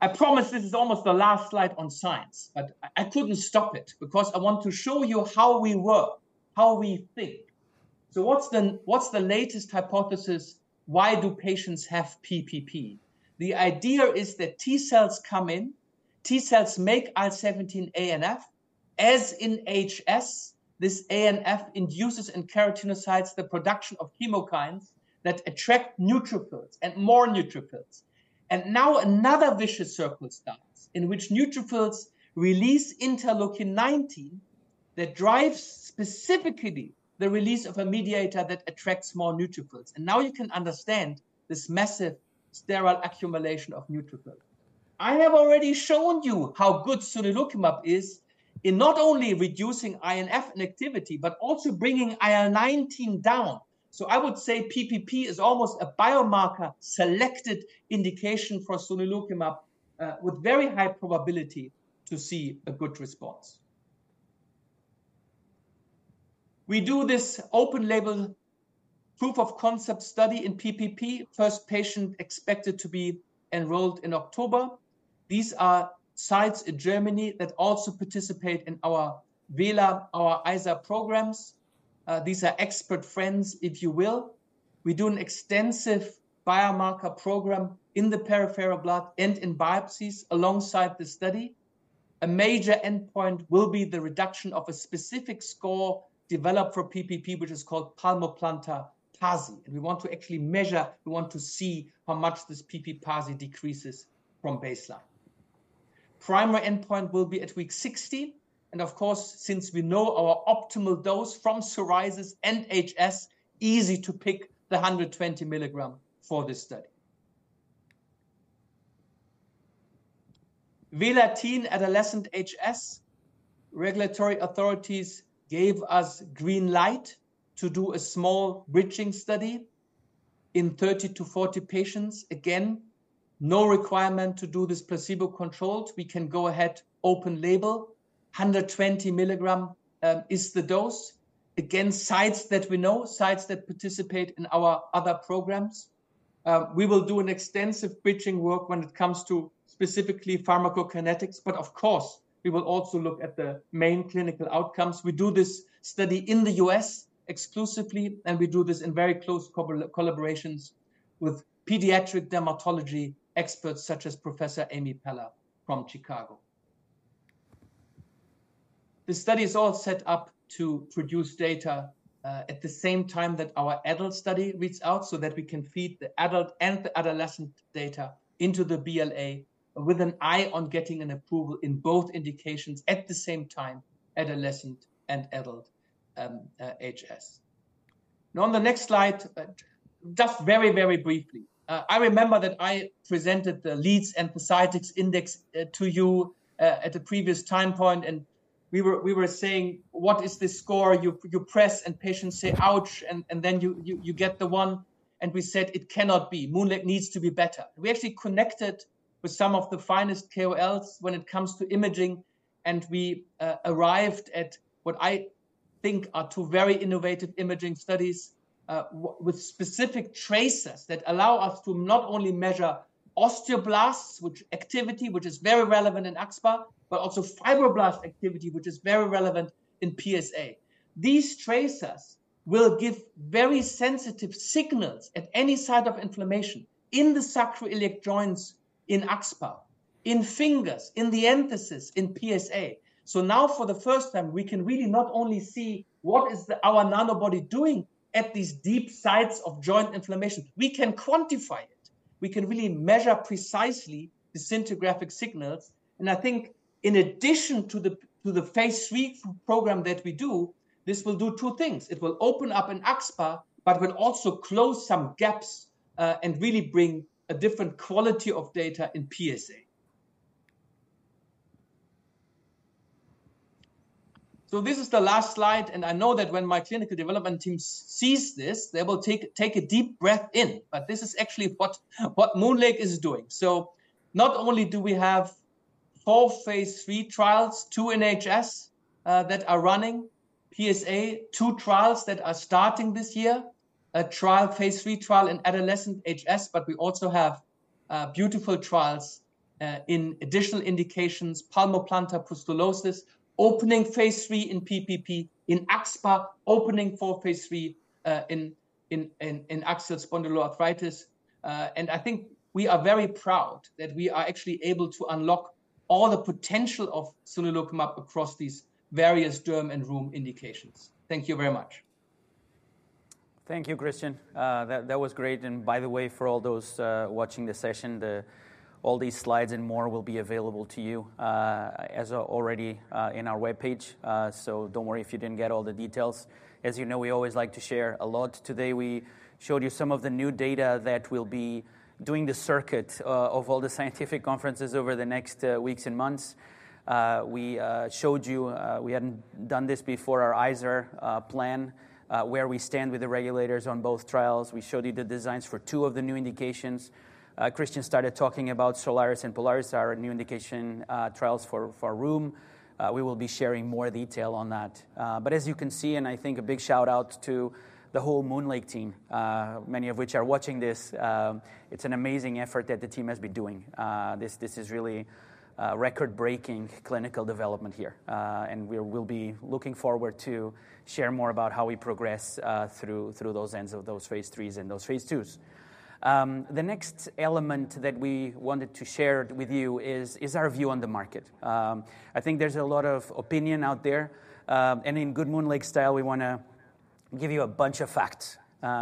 I promise this is almost the last slide on science, but I, I couldn't stop it because I want to show you how we work, how we think. So what's the, what's the latest hypothesis? Why do patients have PPP? The idea is that T cells come in, T cells make IL-17A and F. As in HS, this A and F induces in keratinocytes the production of chemokines that attract neutrophils and more neutrophils. And now another vicious circle starts, in which neutrophils release interleukin-19 that drives specifically the release of a mediator that attracts more neutrophils, and now you can understand this massive sterile accumulation of neutrophils. I have already shown you how good sonelokimab is in not only reducing IL-19 activity but also bringing IL-19 down. So I would say PPP is almost a biomarker-selected indication for sonelokimab, with very high probability to see a good response. We do this open-label proof of concept study in PPP. First patient expected to be enrolled in October. These are sites in Germany that also participate in our VELA, our IZAR programs. These are expert friends, if you will. We do an extensive biomarker program in the peripheral blood and in biopsies alongside the study. A major endpoint will be the reduction of a specific score developed for PPP, which is called palmoplantar PASI, and we want to actually measure. We want to see how much this PP PASI decreases from baseline. Primary endpoint will be at week 60, and of course, since we know our optimal dose from psoriasis and HS, easy to pick the 120 milligram for this study. VELA Teen adolescent HS, regulatory authorities gave us green light to do a small bridging study in 30 to 40 patients. Again, no requirement to do this placebo-controlled. We can go ahead, open label. 120 milligram is the dose. Again, sites that we know, sites that participate in our other programs. We will do an extensive bridging work when it comes to specifically pharmacokinetics, but of course, we will also look at the main clinical outcomes. We do this study in the U.S. exclusively, and we do this in very close collaborations with pediatric dermatology experts such as Professor Amy Paller from Chicago. The study is all set up to produce data at the same time that our adult study reads out, so that we can feed the adult and the adolescent data into the BLA with an eye on getting an approval in both indications at the same time, adolescent and adult HS. Now, on the next slide, just very briefly, I remember that I presented the PASI to you at a previous time point, and we were saying, "What is this score? You press, and patients say, 'Ouch,' and then you get the one." And we said, "It cannot be. MoonLake needs to be better." We actually connected with some of the finest KOLs when it comes to imaging, and we arrived at what I think are two very innovative imaging studies with specific tracers that allow us to not only measure osteoblasts, which activity, which is very relevant in axSpA, but also fibroblast activity, which is very relevant in PsA. These tracers will give very sensitive signals at any site of inflammation in the sacroiliac joints, in axSpA, in fingers, in the enthesis, in PsA. So now, for the first time, we can really not only see what is our nanobody doing at these deep sites of joint inflammation, we can quantify it. We can really measure precisely the scintigraphic signals. And I think in addition to the phase III program that we do, this will do two things: It will open up in axSpA, but will also close some gaps and really bring a different quality of data in PsA. So this is the last slide, and I know that when my clinical development team sees this, they will take a deep breath in. But this is actually what MoonLake is doing. So not only do we have four phase III trials, two in HS that are running, PsA, two trials that are starting this year, a phase III trial in adolescent HS, but we also have beautiful trials in additional indications, palmoplantar pustulosis, opening phase III in PPP, in axSpA, opening for phase III in axial spondyloarthritis. And I think we are very proud that we are actually able to unlock all the potential of sonelokimab across these various derm and rheum indications. Thank you very much. Thank you, Kristian. That was great. And by the way, for all those watching the session, all these slides and more will be available to you, as are already in our webpage. So don't worry if you didn't get all the details. As you know, we always like to share a lot. Today, we showed you some of the new data that will be doing the circuit of all the scientific conferences over the next weeks and months. We showed you we hadn't done this before, our IZAR plan where we stand with the regulators on both trials. We showed you the designs for two of the new indications. Kristian started talking about Solaris and Polaris, our new indication trials for rheum. We will be sharing more detail on that. But as you can see, and I think a big shout-out to the whole MoonLake team, many of which are watching this. It's an amazing effort that the team has been doing. This is really record-breaking clinical development here. And we'll be looking forward to share more about how we progress through those ends of those phase IIIs and those phase IIs. The next element that we wanted to share with you is our view on the market. I think there's a lot of opinion out there, and in good MoonLake style, we wanna give you a bunch of facts,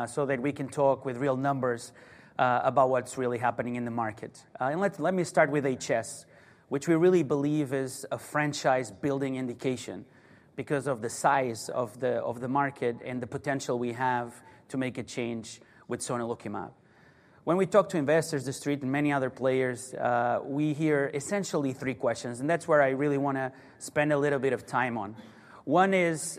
so that we can talk with real numbers about what's really happening in the market. And let me start with HS, which we really believe is a franchise-building indication because of the size of the market and the potential we have to make a change with sonelokimab. When we talk to investors, The Street, and many other players, we hear essentially three questions, and that's where I really wanna spend a little bit of time on. One is: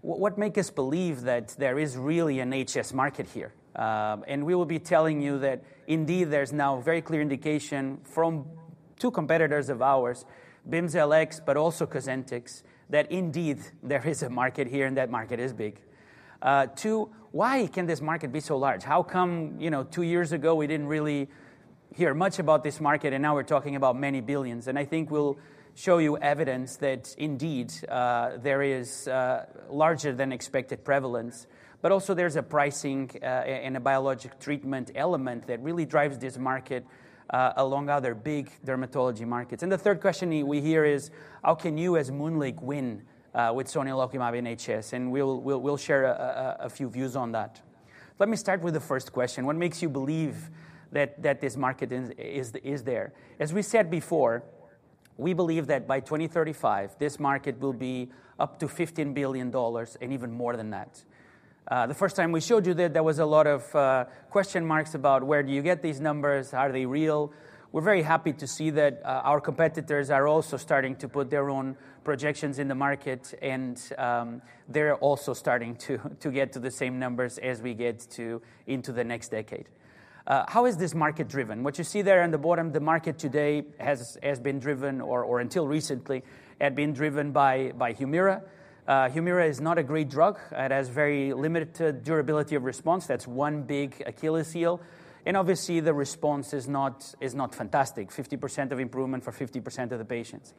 What makes us believe that there is really an HS market here? And we will be telling you that indeed, there's now a very clear indication from two competitors of ours, Bimzelx, but also Cosentyx, that indeed, there is a market here, and that market is big. Two, why can this market be so large? How come, you know, two years ago, we didn't really hear much about this market, and now we're talking about many billions? I think we'll show you evidence that indeed, there is larger than expected prevalence, but also there's a pricing and a biologic treatment element that really drives this market along other big dermatology markets. The third question we hear is: How can you, as Moon Lake, win with sonelokimab in HS? We'll share a few views on that. Let me start with the first question: What makes you believe that this market is there? As we said before, we believe that by 2035, this market will be up to $15 billion and even more than that. The first time we showed you that, there was a lot of question marks about, "Where do you get these numbers? Are they real?" We're very happy to see that our competitors are also starting to put their own projections in the market, and they're also starting to get to the same numbers as we get to into the next decade. How is this market driven? What you see there on the bottom, the market today has been driven, or until recently, had been driven by Humira. Humira is not a great drug. It has very limited durability of response. That's one big Achilles heel, and obviously, the response is not fantastic. 50% of improvement for 50% of the patients.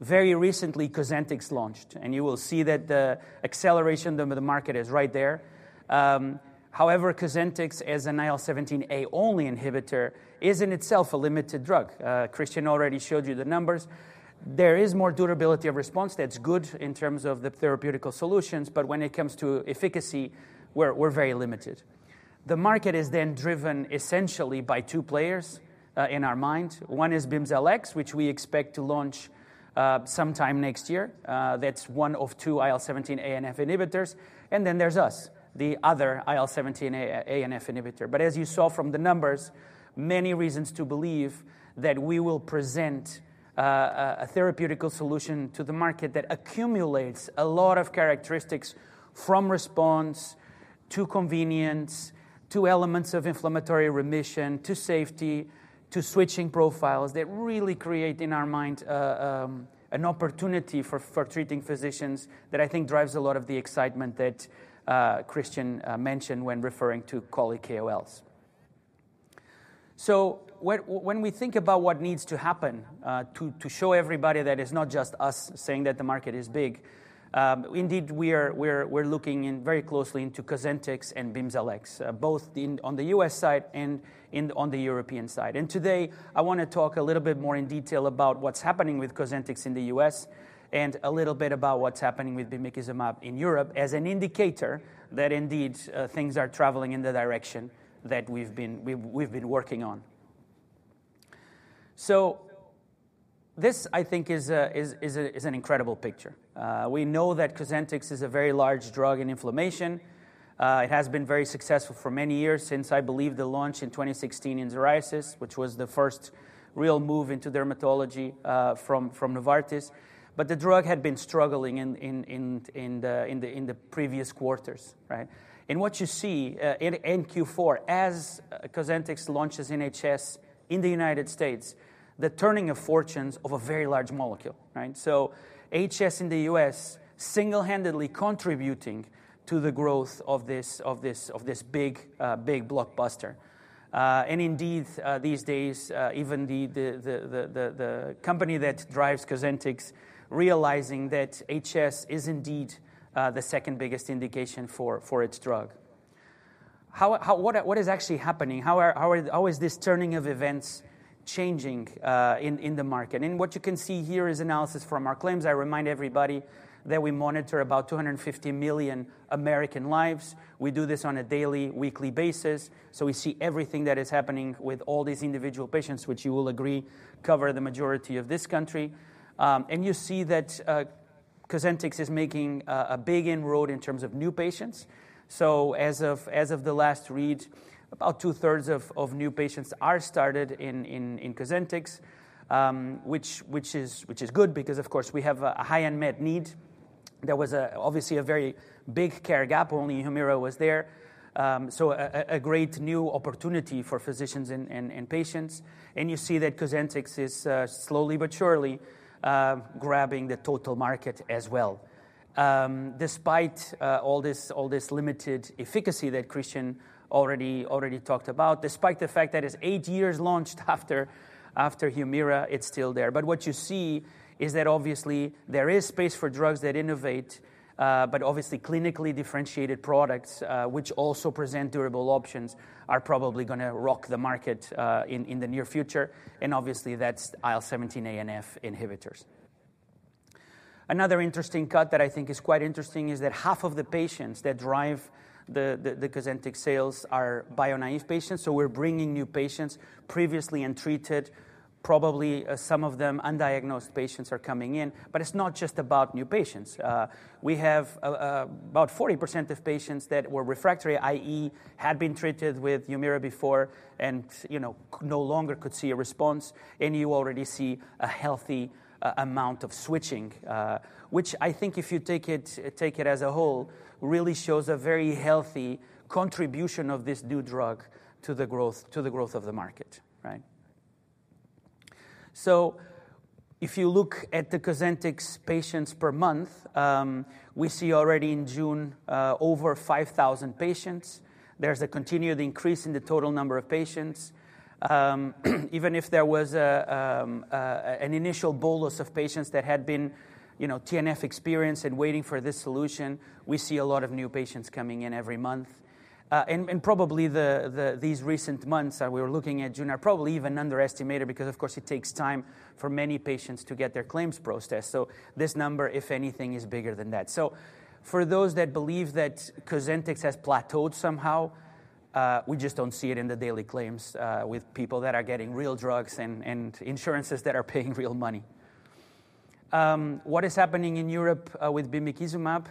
Very recently, Cosentyx launched, and you will see that the acceleration of the market is right there. However, Cosentyx, as an IL-17 A only inhibitor, is in itself a limited drug. Kristian already showed you the numbers. There is more durability of response. That's good in terms of the therapeutic solutions, but when it comes to efficacy, we're very limited. The market is then driven essentially by two players, in our mind. One is Bimzelx, which we expect to launch sometime next year. That's one of two IL-17A and IL-17F inhibitors. And then there's us, the other IL-17A and IL-17F inhibitor. But as you saw from the numbers, many reasons to believe that we will present a therapeutic solution to the market that accumulates a lot of characteristics, from response to convenience, to elements of inflammatory remission, to safety, to switching profiles, that really create, in our mind, an opportunity for treating physicians that I think drives a lot of the excitement that Kristian mentioned when referring to colleague KOLs. So when we think about what needs to happen to show everybody that it's not just us saying that the market is big, indeed, we're looking very closely into Cosentyx and Bimzelx, both on the U.S. side and on the European side. And today, I wanna talk a little bit more in detail about what's happening with Cosentyx in the U.S., and a little bit about what's happening with bimekizumab in Europe, as an indicator that indeed things are traveling in the direction that we've been working on. So this, I think, is an incredible picture. We know that Cosentyx is a very large drug in inflammation. It has been very successful for many years, since, I believe, the launch in 2016 in psoriasis, which was the first real move into dermatology from Novartis. But the drug had been struggling in the previous quarters, right? And what you see in Q4, as Cosentyx launches in HS, in the United States, the turning of fortunes of a very large molecule, right? So HS in the US single-handedly contributing to the growth of this big blockbuster. And indeed, these days, even the company that drives Cosentyx, realizing that HS is indeed the second biggest indication for its drug. What is actually happening? How is this turning of events changing in the market? And what you can see here is analysis from our claims. I remind everybody that we monitor about two hundred and fifty million American lives. We do this on a daily, weekly basis, so we see everything that is happening with all these individual patients, which you will agree cover the majority of this country. And you see that Cosentyx is making a big inroad in terms of new patients. So as of the last read, about two-thirds of new patients are started in Cosentyx, which is good because, of course, we have a high unmet need. There was obviously a very big care gap. Only Humira was there, so a great new opportunity for physicians and patients. And you see that Cosentyx is slowly but surely grabbing the total market as well. Despite all this limited efficacy that Kristian already talked about, despite the fact that it's eight years launched after Humira, it's still there. But what you see is that, obviously, there is space for drugs that innovate, but obviously, clinically differentiated products, which also present durable options, are probably gonna rock the market, in the near future, and obviously, that's IL-17A and IL-17F inhibitors. Another interesting cut that I think is quite interesting is that half of the patients that drive the Cosentyx sales are biologic-naive patients. So we're bringing new patients, previously untreated, probably some of them undiagnosed patients are coming in, but it's not just about new patients. We have about 40% of patients that were refractory, i.e., had been treated with Humira before and, you know, no longer could see a response. And you already see a healthy amount of switching, which I think if you take it as a whole, really shows a very healthy contribution of this new drug to the growth of the market, right? So if you look at the Cosentyx patients per month, we see already in June, over 5,000 patients. There's a continued increase in the total number of patients. Even if there was an initial bolus of patients that had been, you know, TNF-experienced and waiting for this solution, we see a lot of new patients coming in every month, and probably these recent months, we were looking at June, are probably even underestimated because, of course, it takes time for many patients to get their claims processed. So this number, if anything, is bigger than that. For those that believe that Cosentyx has plateaued somehow, we just don't see it in the daily claims with people that are getting real drugs and insurances that are paying real money. What is happening in Europe with bimekizumab?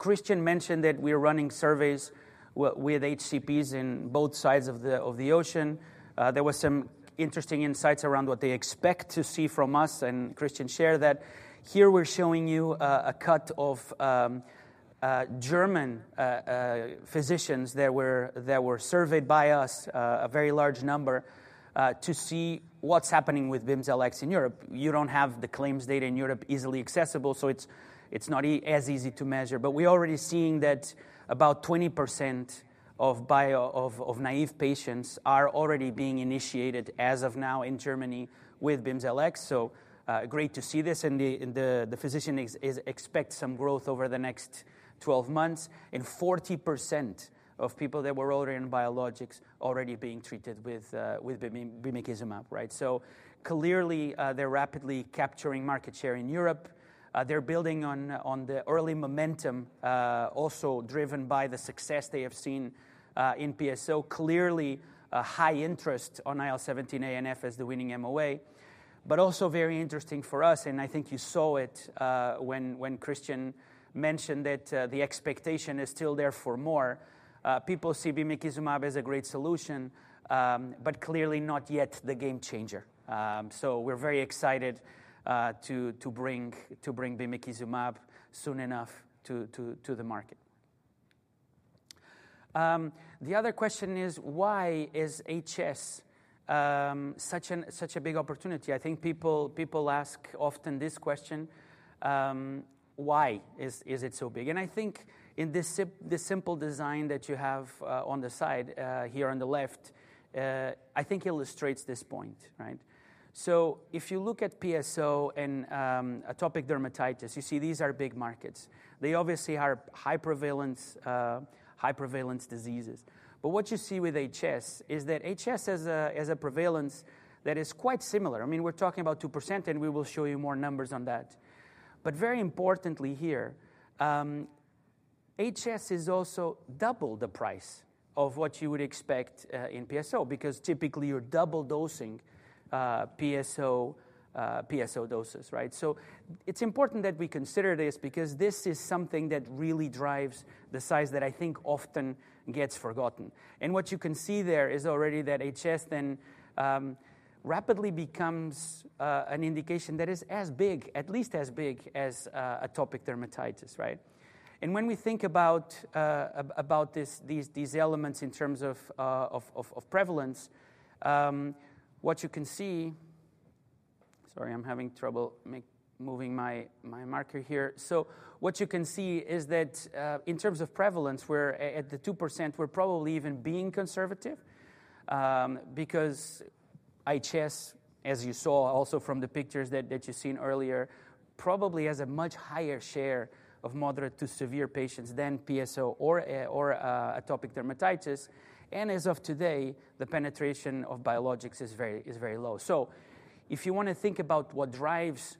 Kristian mentioned that we're running surveys with HCPs in both sides of the ocean. There was some interesting insights around what they expect to see from us, and Kristian shared that. Here, we're showing you a cut of German physicians that were surveyed by us, a very large number, to see what's happening with Bimzelx in Europe. You don't have the claims data in Europe easily accessible, so it's not as easy to measure. But we're already seeing that about 20% of biologic-naive patients are already being initiated as of now in Germany with Bimzelx, so great to see this. And the physicians expect some growth over the next twelve months, and 40% of people that were already in biologics are already being treated with bimekizumab, right? So clearly, they're rapidly capturing market share in Europe. They're building on the early momentum, also driven by the success they have seen in PSO. Clearly, a high interest on IL-17A and IL-17F as the winning MOA, but also very interesting for us, and I think you saw it, when Kristian mentioned that, the expectation is still there for more. People see bimekizumab as a great solution, but clearly not yet the game changer. So we're very excited to bring bimekizumab soon enough to the market. The other question is: Why is HS such a big opportunity? I think people ask often this question: why is it so big? And I think in this simple design that you have, on the side, here on the left, I think illustrates this point, right? So if you look at PSO and, atopic dermatitis, you see these are big markets. They obviously are high prevalence diseases. But what you see with HS, is that HS has a prevalence that is quite similar. I mean, we're talking about 2%, and we will show you more numbers on that. But very importantly here, HS is also double the price of what you would expect, in PSO, because typically you're double dosing, PSO doses, right? So it's important that we consider this, because this is something that really drives the size that I think often gets forgotten. What you can see there is already that HS then rapidly becomes an indication that is as big, at least as big as atopic dermatitis, right? When we think about this, these elements in terms of prevalence, what you can see is that in terms of prevalence, we're at the 2%, we're probably even being conservative. Sorry, I'm having trouble moving my marker here. What you can see is that because HS, as you saw also from the pictures that you've seen earlier, probably has a much higher share of moderate to severe patients than PSO or atopic dermatitis. As of today, the penetration of biologics is very low. So if you wanna think about what drives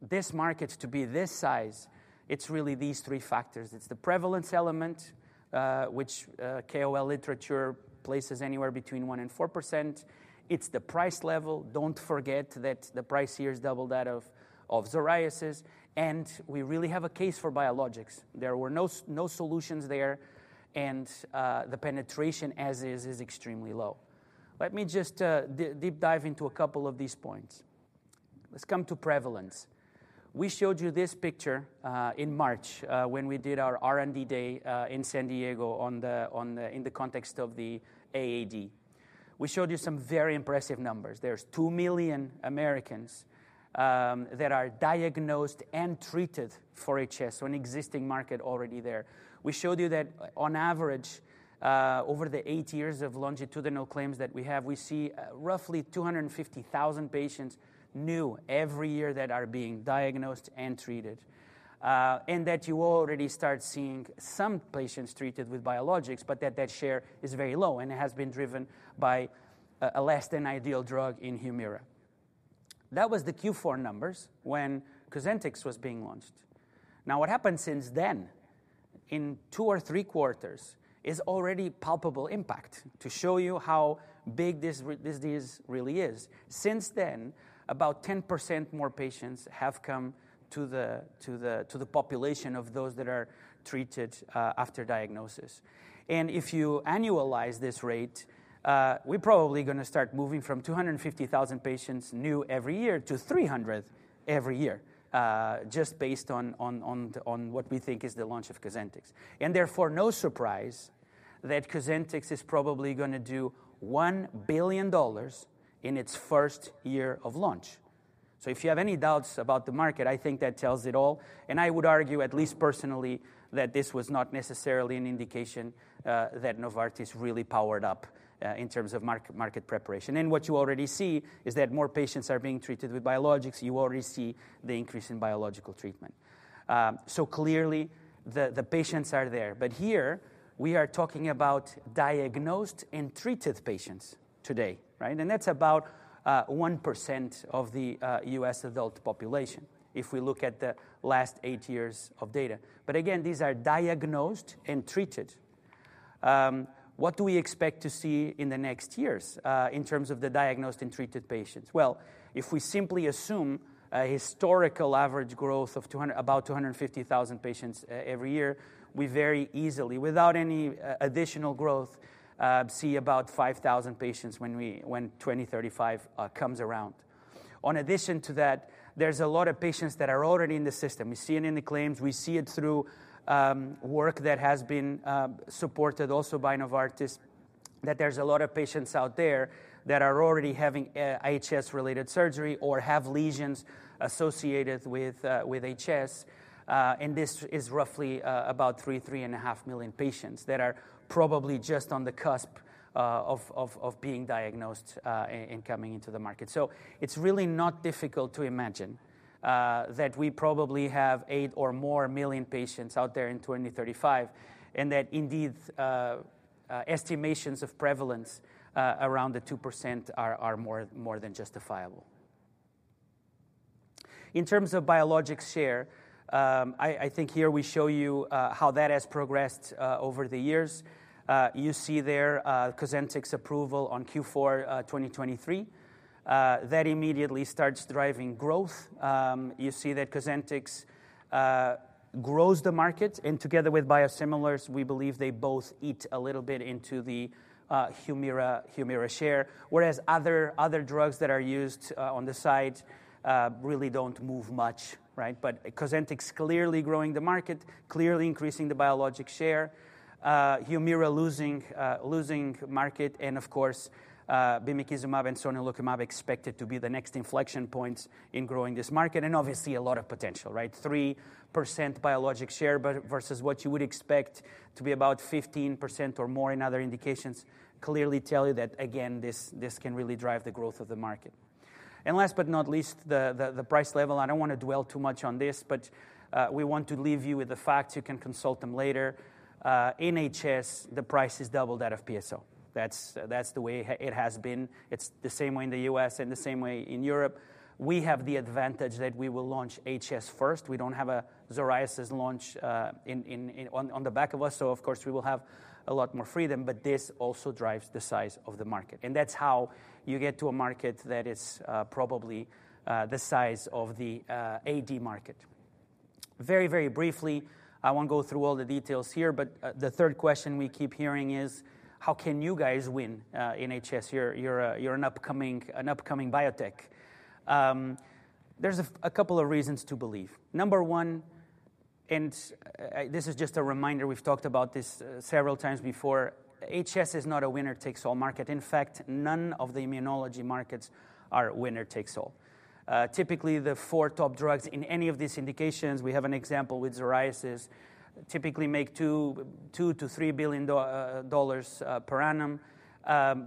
this market to be this size, it's really these three factors. It's the prevalence element, which KOL literature places anywhere between 1% and 4%. It's the price level. Don't forget that the price here is double that of psoriasis, and we really have a case for biologics. There were no solutions there, and the penetration as is is extremely low. Let me just deep dive into a couple of these points. Let's come to prevalence. We showed you this picture in March when we did our R&D day in San Diego in the context of the AAD. We showed you some very impressive numbers. There's two million Americans that are diagnosed and treated for HS, so an existing market already there. We showed you that on average, over the eight years of longitudinal claims that we have, we see roughly two hundred and fifty thousand patients, new, every year that are being diagnosed and treated. That you already start seeing some patients treated with biologics, but that that share is very low and it has been driven by a less-than-ideal drug in Humira. That was the Q4 numbers when Cosentyx was being launched. Now, what happened since then, in two or three quarters, is already palpable impact, to show you how big this disease really is. Since then, about 10% more patients have come to the population of those that are treated, after diagnosis. And if you annualize this rate, we're probably gonna start moving from 250,000 patients new every year to 300,000 every year, just based on what we think is the launch of Cosentyx. And therefore, no surprise that Cosentyx is probably gonna do $1 billion in its first year of launch. So if you have any doubts about the market, I think that tells it all, and I would argue, at least personally, that this was not necessarily an indication that Novartis really powered up in terms of market preparation. And what you already see is that more patients are being treated with biologics. You already see the increase in biological treatment. So clearly, the patients are there. But here, we are talking about diagnosed and treated patients today, right? That's about 1% of the U.S. adult population, if we look at the last eight years of data. But again, these are diagnosed and treated. What do we expect to see in the next years, in terms of the diagnosed and treated patients? If we simply assume a historical average growth of 200, about 250,000 patients every year, we very easily, without any additional growth, see about 5,000 patients when 2035 comes around. In addition to that, there's a lot of patients that are already in the system. We see it in the claims, we see it through work that has been supported also by Novartis, that there's a lot of patients out there that are already having HS-related surgery or have lesions associated with HS. And this is roughly about three and a half million patients that are probably just on the cusp of being diagnosed and coming into the market. So it's really not difficult to imagine that we probably have eight or more million patients out there in 2035, and that indeed estimations of prevalence around the 2% are more than justifiable. In terms of biologic share, I think here we show you how that has progressed over the years. You see there, Cosentyx approval on Q4 2023. That immediately starts driving growth. You see that Cosentyx grows the market, and together with biosimilars, we believe they both eat a little bit into the Humira share, whereas other drugs that are used on the side really don't move much, right? But Cosentyx clearly growing the market, clearly increasing the biologic share. Humira losing market and of course, bimekizumab and sonelokimab expected to be the next inflection points in growing this market, and obviously a lot of potential, right? 3% biologic share but versus what you would expect to be about 15% or more in other indications, clearly tell you that again, this can really drive the growth of the market. And last but not least, the price level. I don't wanna dwell too much on this, but we want to leave you with the facts. You can consult them later. In HS, the price is double that of PSO. That's the way it has been. It's the same way in the U.S. and the same way in Europe. We have the advantage that we will launch HS first. We don't have a psoriasis launch in on the back of us, so of course, we will have a lot more freedom, but this also drives the size of the market. And that's how you get to a market that is probably the size of the AD market. Very briefly, I won't go through all the details here, but the third question we keep hearing is: How can you guys win in HS? You're an upcoming biotech. There's a couple of reasons to believe. Number one, and this is just a reminder, we've talked about this several times before, HS is not a winner-takes-all market. In fact, none of the immunology markets are winner takes all. Typically, the four top drugs in any of these indications, we have an example with psoriasis, typically make $2-$3 billion per annum.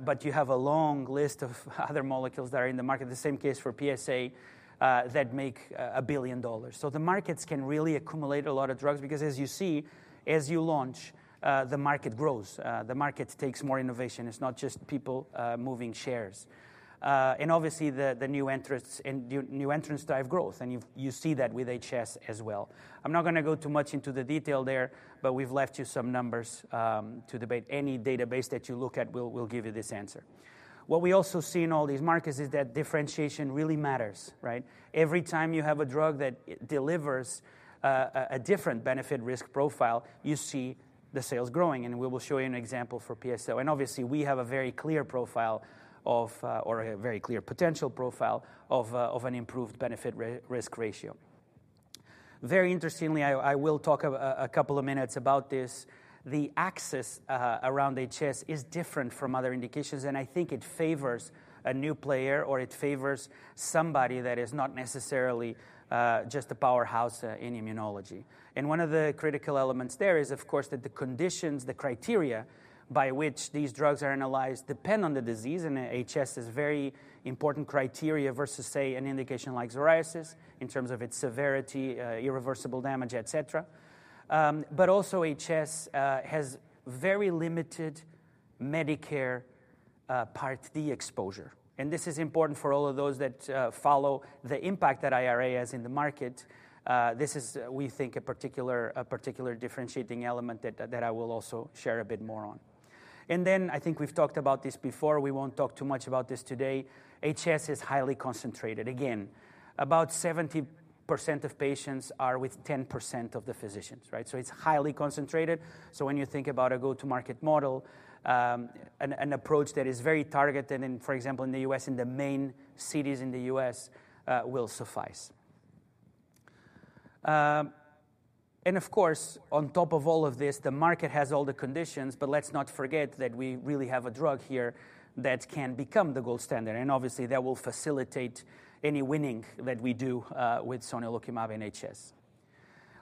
But you have a long list of other molecules that are in the market. The same case for PsA that make $1 billion. So the markets can really accumulate a lot of drugs because as you see, as you launch, the market grows, the market takes more innovation. It's not just people moving shares. And obviously, the new entrants and new entrants drive growth, and you see that with HS as well. I'm not gonna go too much into the detail there, but we've left you some numbers to debate. Any database that you look at will give you this answer. What we also see in all these markets is that differentiation really matters, right? Every time you have a drug that delivers a different benefit-risk profile, you see the sales growing, and we will show you an example for PSO. Obviously, we have a very clear profile or a very clear potential profile of an improved benefit-risk ratio. Very interestingly, I will talk a couple of minutes about this. The access around HS is different from other indications, and I think it favors a new player, or it favors somebody that is not necessarily just a powerhouse in immunology. One of the critical elements there is, of course, that the conditions, the criteria by which these drugs are analyzed, depend on the disease, and HS is very important criteria versus, say, an indication like psoriasis in terms of its severity, irreversible damage, et cetera. But also HS has very limited Medicare Part D exposure. And this is important for all of those that follow the impact that IRA has in the market. This is, we think, a particular differentiating element that I will also share a bit more on. And then I think we've talked about this before. We won't talk too much about this today. HS is highly concentrated. Again, about 70% of patients are with 10% of the physicians, right? So it's highly concentrated. So when you think about a go-to-market model, an approach that is very targeted in, for example, in the U.S., in the main cities in the U.S., will suffice. And of course, on top of all of this, the market has all the conditions, but let's not forget that we really have a drug here that can become the gold standard, and obviously, that will facilitate any winning that we do, with sonelokimab HS.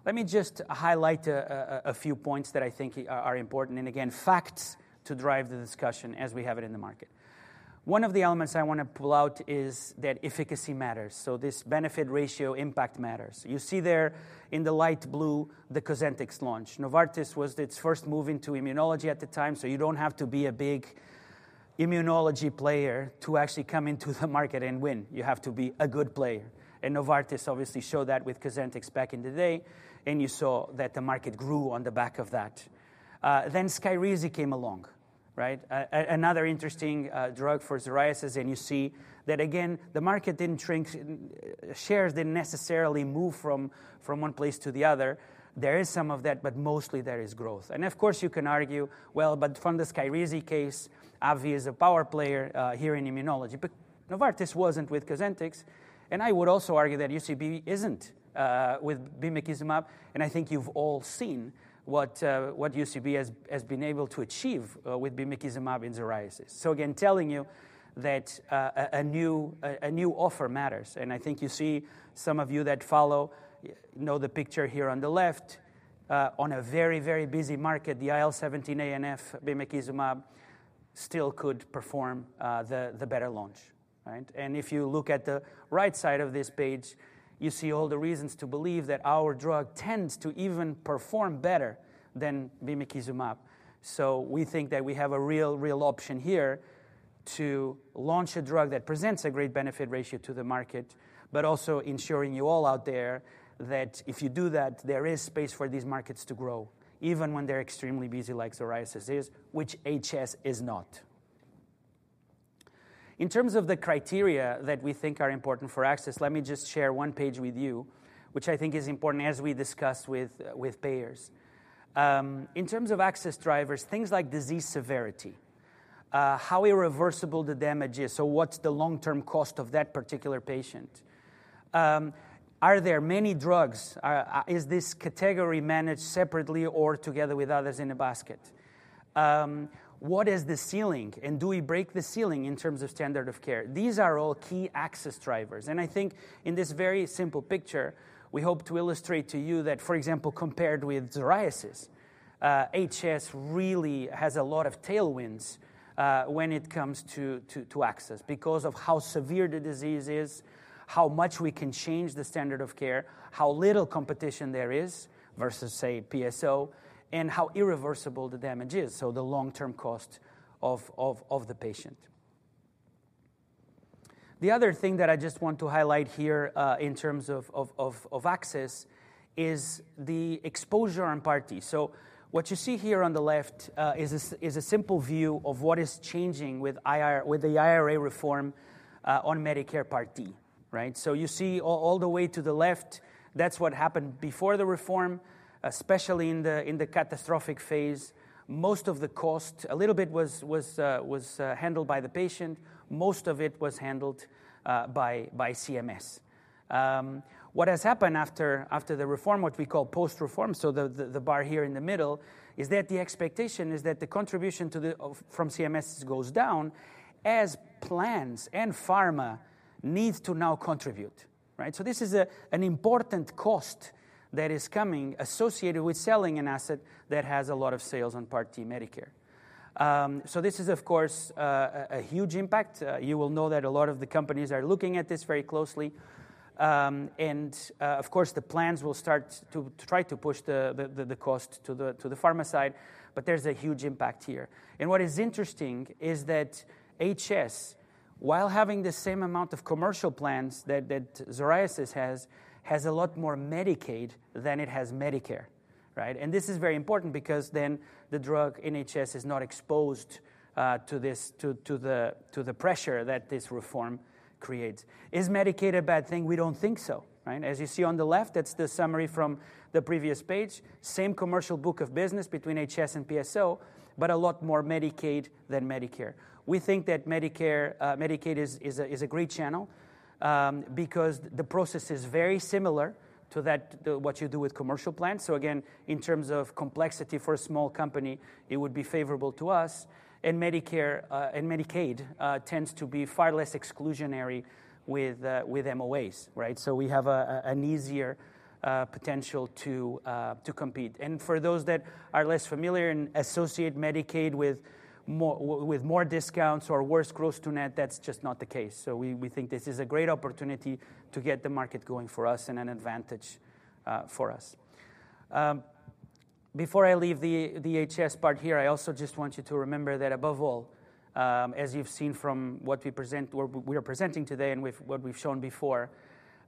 Let me just highlight a few points that I think are important, and again, facts to drive the discussion as we have it in the market. One of the elements I wanna pull out is that efficacy matters, so this benefit-risk impact matters. You see there in the light blue, the Cosentyx launch. Novartis was its first move into immunology at the time, so you don't have to be a big immunology player to actually come into the market and win. You have to be a good player, and Novartis obviously showed that with Cosentyx back in the day, and you saw that the market grew on the back of that. Then Skyrizi came along, right? Another interesting drug for psoriasis, and you see that again, the market didn't shrink. Shares didn't necessarily move from one place to the other. There is some of that, but mostly there is growth. And of course, you can argue, well, but from the Skyrizi case, AbbVie is a power player here in immunology, but Novartis wasn't with Cosentyx, and I would also argue that UCB isn't with bimekizumab, and I think you've all seen what UCB has been able to achieve with bimekizumab in psoriasis. So again, telling you that a new offer matters, and I think you see some of you that follow know the picture here on the left. On a very, very busy market, the IL-17A/F bimekizumab still could perform the better launch, right? And if you look at the right side of this page, you see all the reasons to believe that our drug tends to even perform better than bimekizumab. So we think that we have a real, real option here to launch a drug that presents a great benefit ratio to the market, but also ensuring you all out there, that if you do that, there is space for these markets to grow, even when they're extremely busy, like psoriasis is, which HS is not. In terms of the criteria that we think are important for access, let me just share one page with you, which I think is important as we discuss with payers. In terms of access drivers, things like disease severity, how irreversible the damage is. So what's the long-term cost of that particular patient? Are there many drugs? Is this category managed separately or together with others in a basket? What is the ceiling, and do we break the ceiling in terms of standard of care? These are all key access drivers, and I think in this very simple picture, we hope to illustrate to you that, for example, compared with psoriasis, HS really has a lot of tailwinds, when it comes to access. Because of how severe the disease is, how much we can change the standard of care, how little competition there is versus, say, PSO, and how irreversible the damage is, so the long-term cost of the patient. The other thing that I just want to highlight here, in terms of access, is the exposure on Part D. So what you see here on the left, is a simple view of what is changing with the IRA reform, on Medicare Part D, right? You see all the way to the left, that's what happened before the reform, especially in the catastrophic phase. Most of the cost, a little bit was handled by the patient, most of it was handled by CMS. What has happened after the reform, what we call post-reform, so the bar here in the middle, is that the expectation is that the contribution from CMS goes down as plans and pharma needs to now contribute, right? This is an important cost that is coming associated with selling an asset that has a lot of sales on Part D Medicare. This is, of course, a huge impact. You will know that a lot of the companies are looking at this very closely. And of course, the plans will start to try to push the cost to the pharma side, but there's a huge impact here. And what is interesting is that HS, while having the same amount of commercial plans that psoriasis has, has a lot more Medicaid than it has Medicare, right? And this is very important because then the drug in HS is not exposed to the pressure that this reform creates. Is Medicaid a bad thing? We don't think so, right? As you see on the left, that's the summary from the previous page. Same commercial book of business between HS and PSO, but a lot more Medicaid than Medicare. We think that Medicare... Medicaid is a great channel because the process is very similar to that what you do with commercial plans. So again, in terms of complexity for a small company, it would be favorable to us, and Medicare and Medicaid tends to be far less exclusionary with with MOAs, right? So we have an easier potential to compete. And for those that are less familiar and associate Medicaid with more with more discounts or worse gross to net, that's just not the case. So we think this is a great opportunity to get the market going for us and an advantage for us. Before I leave the HS part here, i also just want you to remember that, above all, as you've seen from what we present, what we are presenting today and with what we've shown before,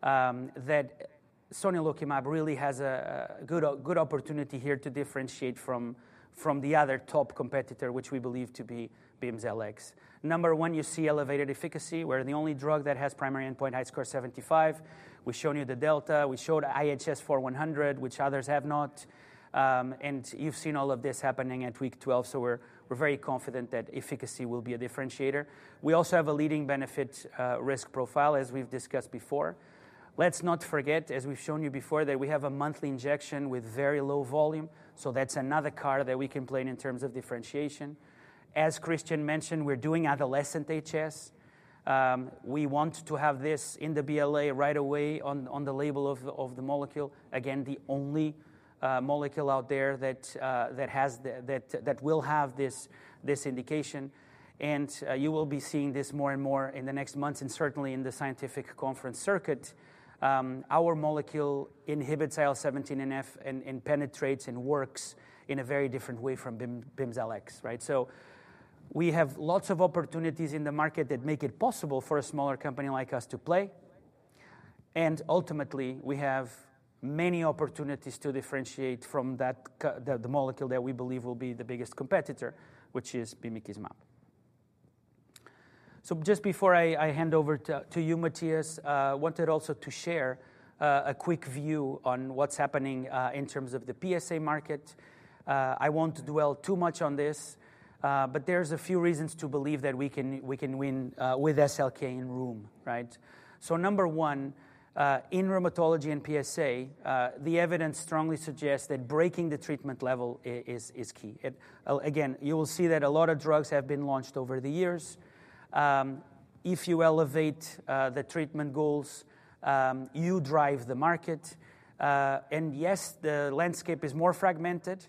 that sonelokimab really has a good opportunity here to differentiate from the other top competitor, which we believe to be Bimzelx. Number one, you see elevated efficacy, we're the only drug that has primary endpoint score 75. We've shown you the delta, we showed IHS4 100, which others have not. And you've seen all of this happening at week 12, so we're very confident that efficacy will be a differentiator. We also have a leading benefit-risk profile, as we've discussed before. Let's not forget, as we've shown you before, that we have a monthly injection with very low volume, so that's another card that we can play in terms of differentiation. As Kristian mentioned, we're doing adolescent HS. We want to have this in the BLA right away on the label of the molecule. Again, the only molecule out there that has the that will have this indication. And you will be seeing this more and more in the next months, and certainly in the scientific conference circuit. Our molecule inhibits IL-17A and IL-17F, and penetrates and works in a very different way from Bimzelx, right? So we have lots of opportunities in e market that make it possible for a smaller company like us to play, and ultimately, we have many opportunities to differentiate from the molecule that we believe will be the biggest competitor, which is bimekizumab. So just before I hand over to you, Matthias, I wanted also to share a quick view on what's happening in terms of the PsA market. I won't dwell too much on this, but there's a few reasons to believe that we can win with SLK in rheum, right? So number one, in rheumatology and PsA, the evidence strongly suggests that breaking the treatment level is key. Again, you will see that a lot of drugs have been launched over the years. If you elevate the treatment goals, you drive the market. Yes, the landscape is more fragmented.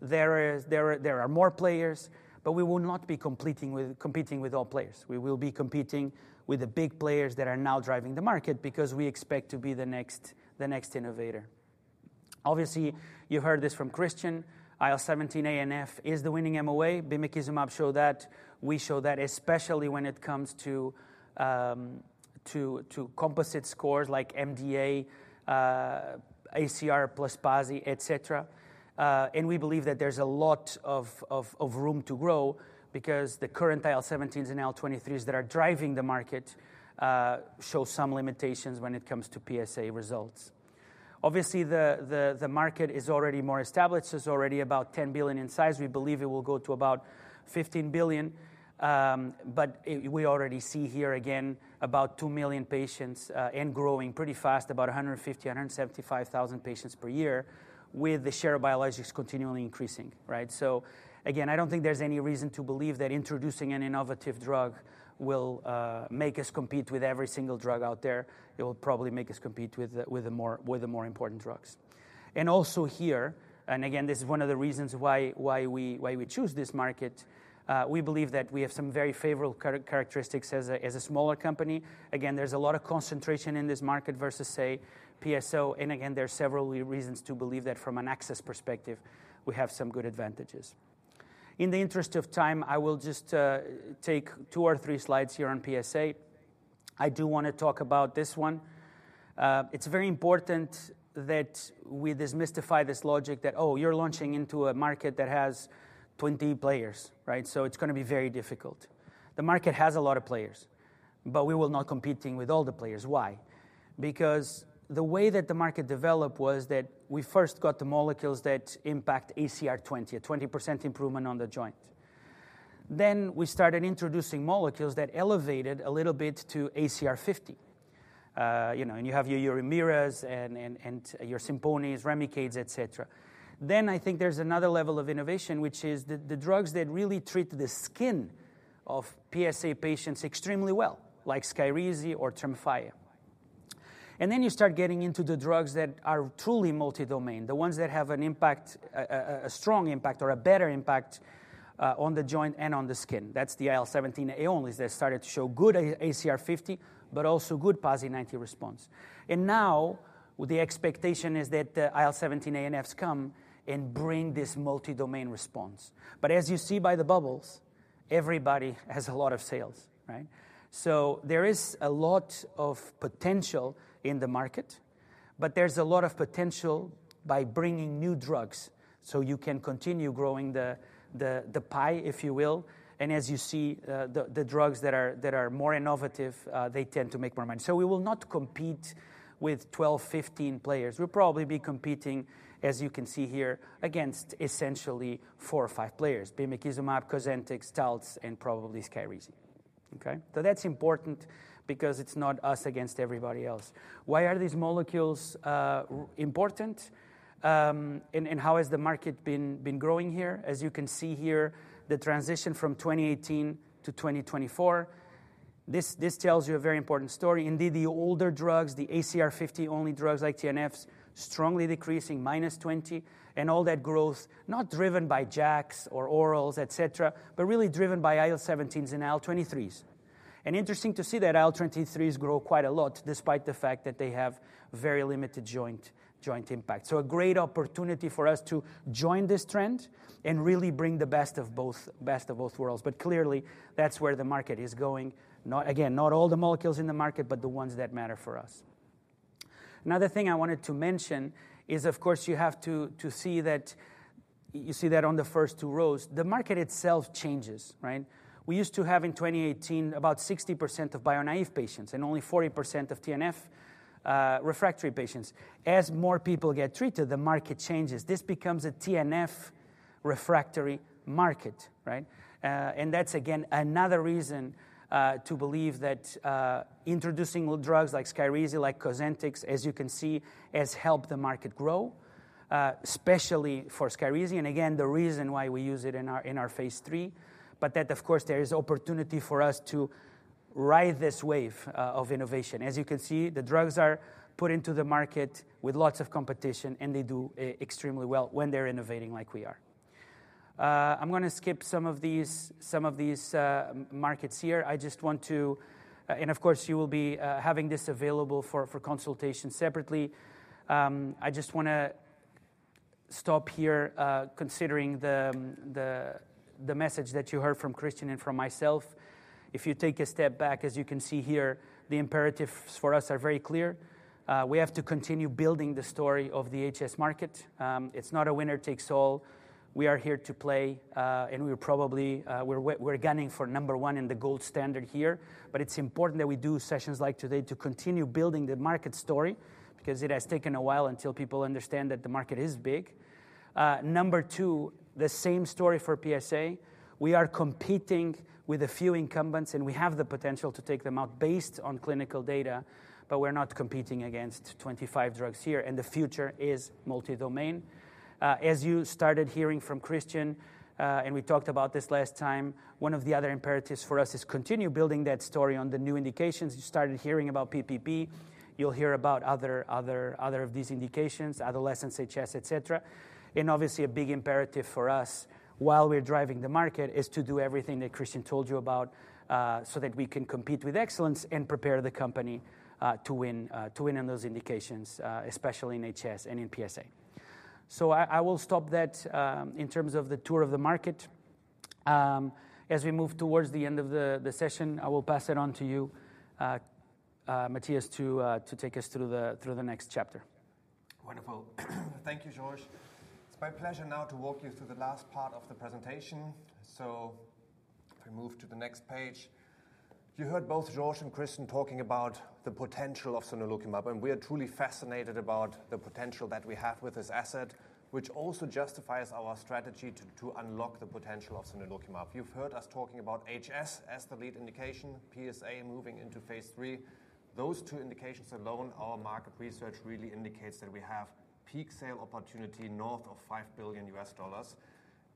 There are more players, but we will not be competing with all players. We will be competing with the big players that are now driving the market, because we expect to be the next innovator. Obviously, you heard this from Kristian, IL-17A and F is the winning MOA. Bimekizumab show that. We show that especially when it comes to composite scores like MDA, ACR plus PASI, et cetera. We believe that there's a lot of room to grow because the current IL-17s and IL-23s that are driving the market show some limitations when it comes to PsA results. Obviously, the market is already more established. It's already about $10 billion in size. We believe it will go to about $15 billion. But we already see here again, about 2 million patients, and growing pretty fast, about 150-175 thousand patients per year, with the share of biologics continually increasing, right? So again, I don't think there's any reason to believe that introducing an innovative drug will make us compete with every single drug out there. It will probably make us compete with the more important drugs. And also here, and again, this is one of the reasons why we choose this market, we believe that we have some very favorable characteristics as a smaller company. Again, there's a lot of concentration in this market versus, say, PSO. Again, there are several reasons to believe that from an access perspective, we have some good advantages. In the interest of time, I will just take 2 or 3 slides here on PsA. I do wanna talk about this one. It's very important that we demystify this logic that, oh, you're launching into a market that has 20 players, right? So it's gonna be very difficult. The market has a lot of players, but we will not competing with all the players. Why? Because the way that the market developed was that we first got the molecules that impact ACR 20, a 20% improvement on the joint. Then we started introducing molecules that elevated a little bit to ACR 50. You know, and you have your, your Humiras and, and, and your Simponis, Remicades, et cetera. Then I think there's another level of innovation, which is the drugs that really treat the skin of PsA patients extremely well, like Skyrizi or Tremfya. And then you start getting into the drugs that are truly multi-domain, the ones that have an impact, a strong impact or a better impact on the joint and on the skin. That's the IL-17A onlys that started to show good ACR 50, but also good PASI 90 response. And now, the expectation is that the IL-17A/Fs come and bring this multi-domain response. But as you see by the bubbles, everybody has a lot of sales, right? So there is a lot of potential in the market, but there's a lot of potential by bringing new drugs, so you can continue growing the pie, if you will. As you see, the drugs that are more innovative, they tend to make more money. We will not compete with 12, 15 players. We'll probably be competing, as you can see here, against essentially four or five players, bimekizumab, Cosentyx, Taltz, and probably Skyrizi. Okay? That's important because it's not us against everybody else. Why are the molecules important? And how has the market been growing here? As you can see here, the transition from 2018 to 2024, this tells you a very important story. Indeed, the older drugs, the ACR 50-only drugs, like TNFs, strongly decreasing minus 20, and all that growth not driven by JAKs or orals, et cetera, but really driven by IL-17s and IL-23s. Interesting to see that IL-23s grow quite a lot, despite the fact that they have very limited joint impact. A great opportunity for us to join this trend and really bring the best of both, best of both worlds. Clearly, that's where the market is going. Not again, not all the molecules in the market, but the ones that matter for us. Another thing I wanted to mention is, of course, you have to see that... You see that on the first two rows, the market itself changes, right? We used to have in 2018, about 60% of biologic-naive patients and only 40% of TNF refractory patients. As more people get treated, the market changes. This becomes a TNF refractory market, right? And that's again, another reason to believe that introducing new drugs like Skyrizi, like Cosentyx, as you can see, has helped the market grow, especially for Skyrizi. And again, the reason why we use it in our phase III, but that, of course, there is opportunity for us to ride this wave of innovation. As you can see, the drugs are put into the market with lots of competition, and they do extremely well when they're innovating like we are. I'm gonna skip some of these markets here. I just want to... And of course, you will be having this available for consultation separately. I just want to stop here, considering the message that you heard from Kristian and from myself. If you take a step back, as you can see here, the imperatives for us are very clear. We have to continue building the story of the HS market. It's not a winner takes all. We are here to play, and we're probably gunning for number one and the gold standard here. But it's important that we do sessions like today to continue building the market story, because it has taken a while until people understand that the market is big. Number two, the same story for PsA. We are competing with a few incumbents, and we have the potential to take them out based on clinical data, but we're not competing against twenty-five drugs here, and the future is multi-domain. As you started hearing from Kristian, and we talked about this last time, one of the other imperatives for us is continue building that story on the new indications. You started hearing about PPP. You'll hear about other of these indications, adolescent HS, et cetera. Obviously, a big imperative for us while we're driving the market is to do everything that Kristian told you about, so that we can compete with excellence and prepare the company to win on those indications, especially in HS and in PsA. So I will stop that in terms of the tour of the market. As we move towards the end of the session, I will pass it on to you, Matthias, to take us through the next chapter. Wonderful. Thank you, George. It's my pleasure now to walk you through the last part of the presentation. So if we move to the next page.... You heard both Georg and Kristian talking about the potential of sonelokimab, and we are truly fascinated about the potential that we have with this asset, which also justifies our strategy to unlock the potential of sonelokimab. You've heard us talking about HS as the lead indication, PsA moving into phase III. Those two indications alone, our market research really indicates that we have peak sale opportunity north of $5 billion.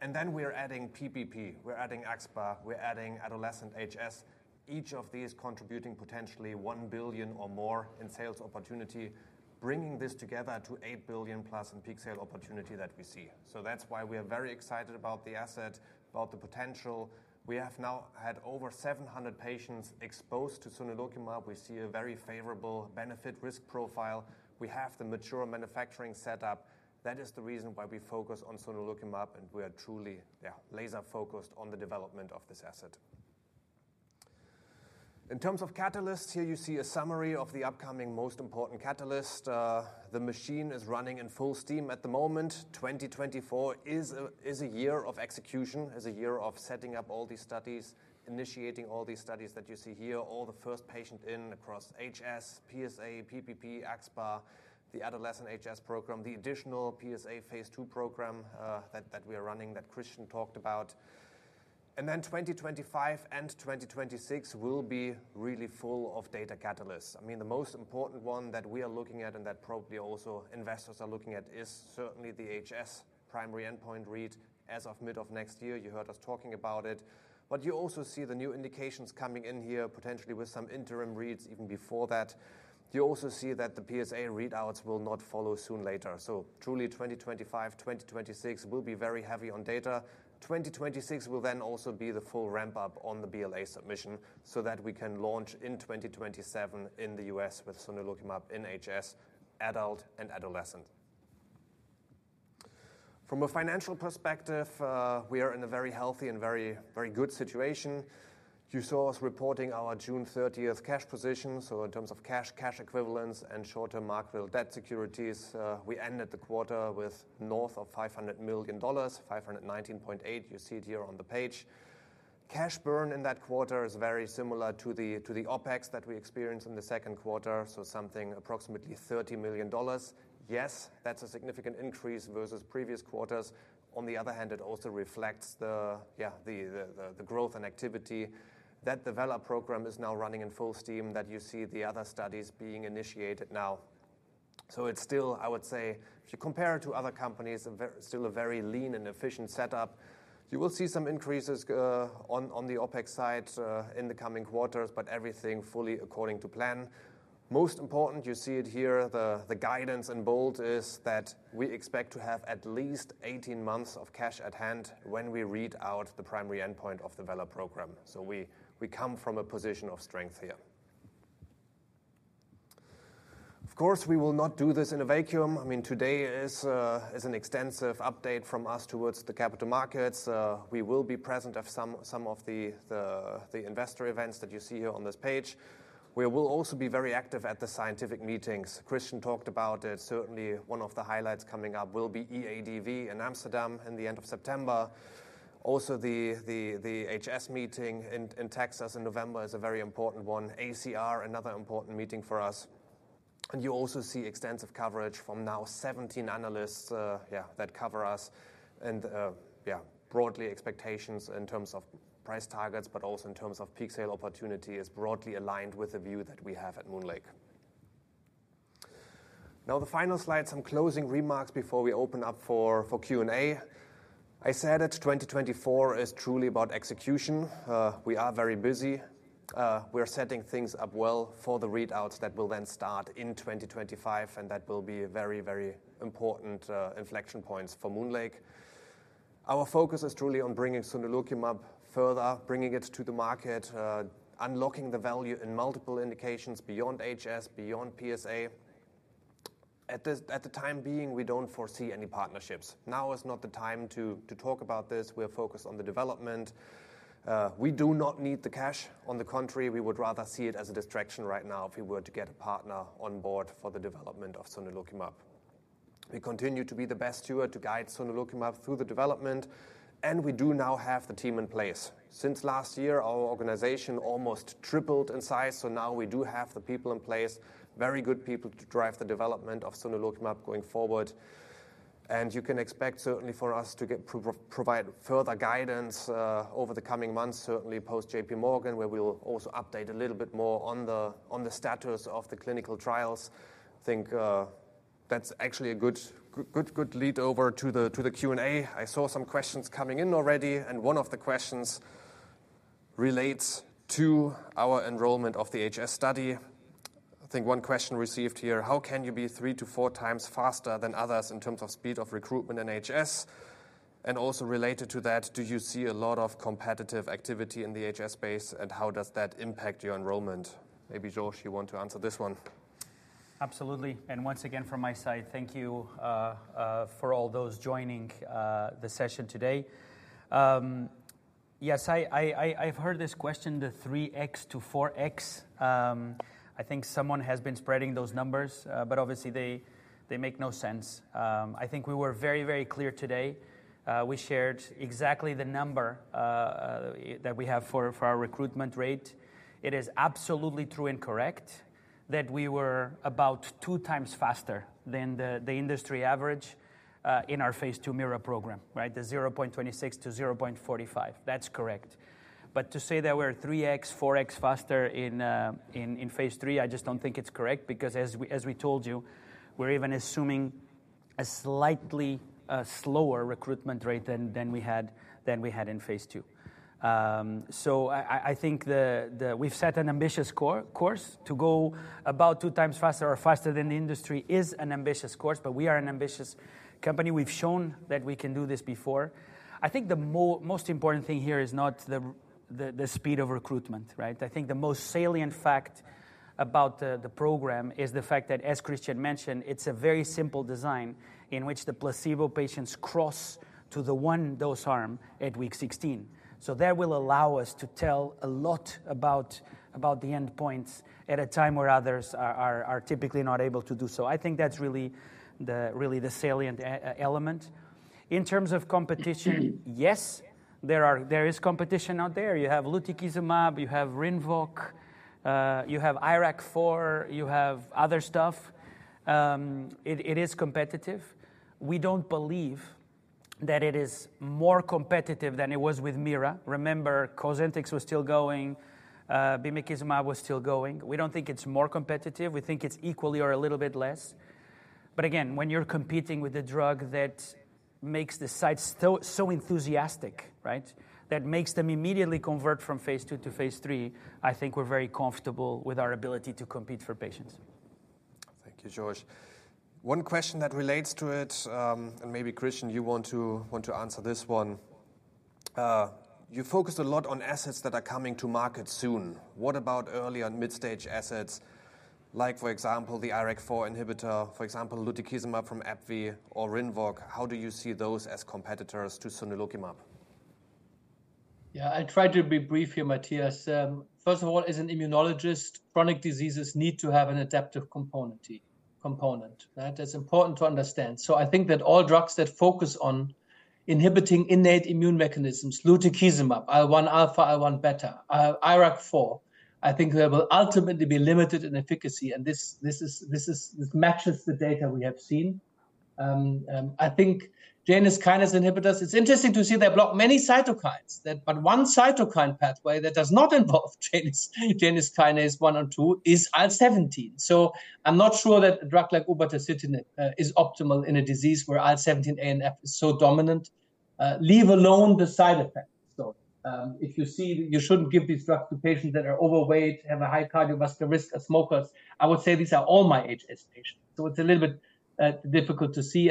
And then we are adding PPP, we're adding axSpA, we're adding adolescent HS, each of these contributing potentially $1 billion or more in sales opportunity, bringing this together to $8 billion-plus in peak sale opportunity that we see. So that's why we are very excited about the asset, about the potential. We have now had over 700 patients exposed to sonelokimab. We see a very favorable benefit-risk profile. We have the mature manufacturing setup. That is the reason why we focus on sonelokimab, and we are truly, yeah, laser-focused on the development of this asset. In terms of catalysts, here you see a summary of the upcoming most important catalyst. The machine is running in full steam at the moment. 2024 is a year of execution, is a year of setting up all these studies, initiating all these studies that you see here, all the first patient in across HS, PsA, PPP, axSpA, the adolescent HS program, the additional PsA phase II program, that we are running, that Kristian talked about. Then 2025 and 2026 will be really full of data catalysts. I mean, the most important one that we are looking at, and that probably also investors are looking at, is certainly the HS primary endpoint read as of mid of next year. You heard us talking about it. But you also see the new indications coming in here, potentially with some interim reads even before that. You also see that the PsA readouts will not follow soon later. So truly, 2025, 2026 will be very heavy on data. 2026 will then also be the full ramp-up on the BLA submission so that we can launch in 2027 in the U.S. with sonelokimab in HS, adult and adolescent. From a financial perspective, we are in a very healthy and very, very good situation. You saw us reporting our June thirtieth cash position, so in terms of cash, cash equivalents, and short-term marketable debt securities, we ended the quarter with north of $500 million, $519.8 million. You see it here on the page. Cash burn in that quarter is very similar to the OpEx that we experienced in the second quarter, so something approximately $30 million. Yes, that's a significant increase versus previous quarters. On the other hand, it also reflects the growth and activity. That VELA program is now running in full steam, that you see the other studies being initiated now. So it's still, I would say, if you compare it to other companies, a very still a very lean and efficient setup. You will see some increases on the OpEx side in the coming quarters, but everything fully according to plan. Most important, you see it here, the guidance in bold is that we expect to have at least 18 months of cash at hand when we read out the primary endpoint of the VELA program. So we come from a position of strength here. Of course, we will not do this in a vacuum. I mean, today is an extensive update from us towards the capital markets. We will be present at some of the investor events that you see here on this page. We will also be very active at the scientific meetings. Kristian talked about it. Certainly, one of the highlights coming up will be EADV in Amsterdam in the end of September. Also, the HS meeting in Texas in November is a very important one. ACR, another important meeting for us. And you also see extensive coverage from now 17 analysts that cover us. Broadly, expectations in terms of price targets, but also in terms of peak sales opportunity, are broadly aligned with the view that we have at MoonLake. Now, the final slide, some closing remarks before we open up for Q&A. I said it, 2024 is truly about execution. We are very busy. We are setting things up well for the readouts that will then start in 2025, and that will be very, very important inflection points for MoonLake. Our focus is truly on bringing sonelokimab further, bringing it to the market, unlocking the value in multiple indications beyond HS, beyond PsA. At this time being, we do not foresee any partnerships. Now is not the time to talk about this. We are focused on the development. We do not need the cash. On the contrary, we would rather see it as a distraction right now if we were to get a partner on board for the development of sonelokimab. We continue to be the best steward to guide sonelokimab through the development, and we do now have the team in place. Since last year, our organization almost tripled in size, so now we do have the people in place, very good people to drive the development of sonelokimab going forward. And you can expect certainly for us to provide further guidance over the coming months, certainly post JPMorgan, where we will also update a little bit more on the status of the clinical trials. I think that's actually a good lead over to the Q&A. I saw some questions coming in already, and one of the questions relates to our enrollment of the HS study. I think one question received here: How can you be three to four times faster than others in terms of speed of recruitment in HS? And also related to that, do you see a lot of competitive activity in the HS space, and how does that impact your enrollment? Maybe, Jorge, you want to answer this one. Absolutely. And once again, from my side, thank you for all those joining the session today.... Yes, I've heard this question, the three X to four X. I think someone has been spreading those numbers, but obviously they make no sense. I think we were very, very clear today. We shared exactly the number that we have for our recruitment rate. It is absolutely true and correct that we were about two times faster than the industry average in our phase II MIRA program, right? The 0.26 to 0.45. That's correct. But to say that we're three X, four X faster in phase III, I just don't think it's correct because as we told you, we're even assuming a slightly slower recruitment rate than we had in phase II. So we've set an ambitious course. To go about two times faster or faster than the industry is an ambitious course, but we are an ambitious company. We've shown that we can do this before. I think the most important thing here is not the speed of recruitment, right? I think the most salient fact about the program is the fact that, as Kristian mentioned, it's a very simple design in which the placebo patients cross to the one dose arm at week 16. So that will allow us to tell a lot about the endpoints at a time where others are typically not able to do so. I think that's really the salient element. In terms of competition, yes, there is competition out there. You have lutekizumab, you have Rinvoq, you have IRAK4, you have other stuff. It is competitive. We don't believe that it is more competitive than it was with Mira. Remember, Cosentyx was still going, bimekizumab was still going. We don't think it's more competitive. We think it's equally or a little bit less. But again, when you're competing with a drug that makes the sites so, so enthusiastic, right? That makes them immediately convert from phase II to phase III, I think we're very comfortable with our ability to compete for patients. Thank you, Georg. One question that relates to it, and maybe Kristian, you want to answer this one. You focused a lot on assets that are coming to market soon. What about early and midstage assets like, for example, the IRAK4 inhibitor, for example, lutekizumab from AbbVie or Rinvoq? How do you see those as competitors to sonelokimab? Yeah, I try to be brief here, Matthias. First of all, as an immunologist, chronic diseases need to have an adaptive component. That is important to understand. So I think that all drugs that focus on inhibiting innate immune mechanisms, lutekizumab, IL-1 alpha, IL-1 beta, IRAK4, I think they will ultimately be limited in efficacy, and this matches the data we have seen. I think Janus kinase inhibitors, it's interesting to see they block many cytokines that... But one cytokine pathway that does not involve Janus kinase one and two, is IL-17. So I'm not sure that a drug like upadacitinib is optimal in a disease where IL-17A/F is so dominant, leave alone the side effects, though. If you see, you shouldn't give this drug to patients that are overweight, have a high cardiovascular risk, are smokers. I would say these are all my HS patients, so it's a little bit difficult to see.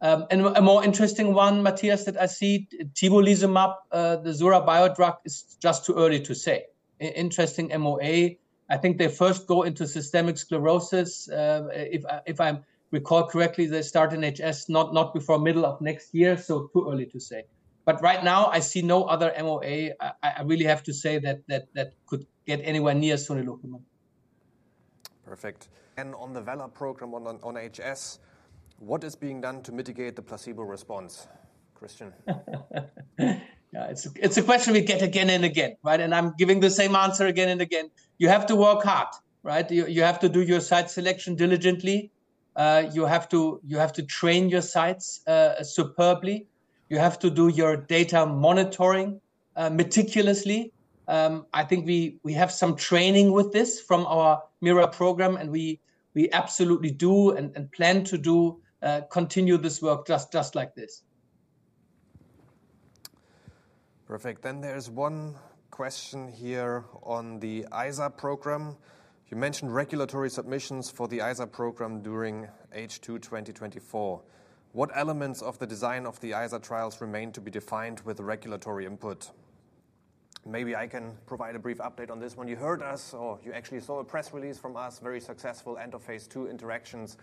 And then, a more interesting one, Matthias, that I see, tibulizumab, the Zura Bio drug, is just too early to say. Interesting MOA. I think they first go into systemic sclerosis. If I recall correctly, they start in HS, not before middle of next year, so too early to say. But right now, I see no other MOA. I really have to say that could get anywhere near sonelokimab. Perfect. And on the Vela program on HS, what is being done to mitigate the placebo response? Kristian. Yeah, it's a question we get again and again, right? And I'm giving the same answer again and again. You have to work hard, right? You have to do your site selection diligently. You have to train your sites superbly. You have to do your data monitoring meticulously. I think we have some training with this from our MIRA program, and we absolutely do and plan to do continue this work just like this. Perfect. Then there is one question here on the IZAR program. You mentioned regulatory submissions for the IZAR program during H2 2024. What elements of the design of the IZAR trials remain to be defined with regulatory input? Maybe I can provide a brief update on this one. You heard us, or you actually saw a press release from us, very successful end of phase II interactions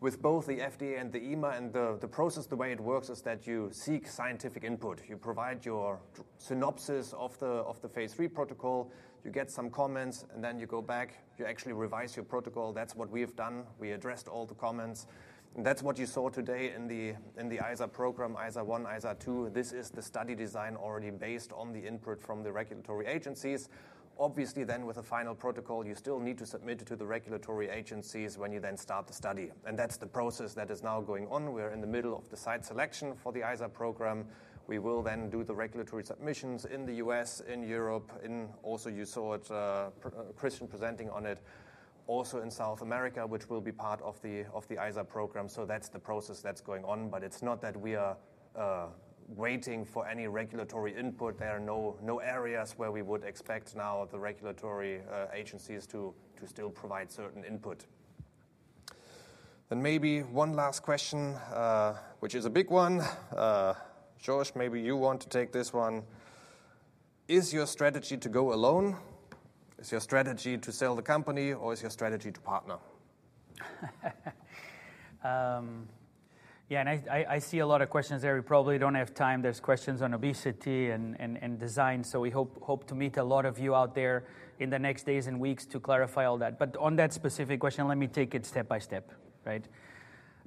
with both the FDA and the EMA. And the process, the way it works, is that you seek scientific input. You provide your synopsis of the phase III protocol, you get some comments, and then you go back. You actually revise your protocol. That's what we've done. We addressed all the comments, and that's what you saw today in the IZAR program, IZAR1, IZAR2. This is the study design already based on the input from the regulatory agencies. Obviously, then, with the final protocol, you still need to submit to the regulatory agencies when you then start the study, and that's the process that is now going on. We're in the middle of the site selection for the IZAR program. We will then do the regulatory submissions in the U.S., in Europe, also, you saw it, Kristian presenting on it, also in South America, which will be part of the, of the IZAR program. So that's the process that's going on, but it's not that we are, waiting for any regulatory input. There are no, no areas where we would expect now the regulatory, agencies to, to still provide certain input. Then maybe one last question, which is a big one. Georg, maybe you want to take this one. Is your strategy to go alone? Is your strategy to sell the company, or is your strategy to partner? Yeah, and I see a lot of questions there. We probably don't have time. There's questions on obesity and design, so we hope to meet a lot of you out there in the next days and weeks to clarify all that. But on that specific question, let me take it step by step, right?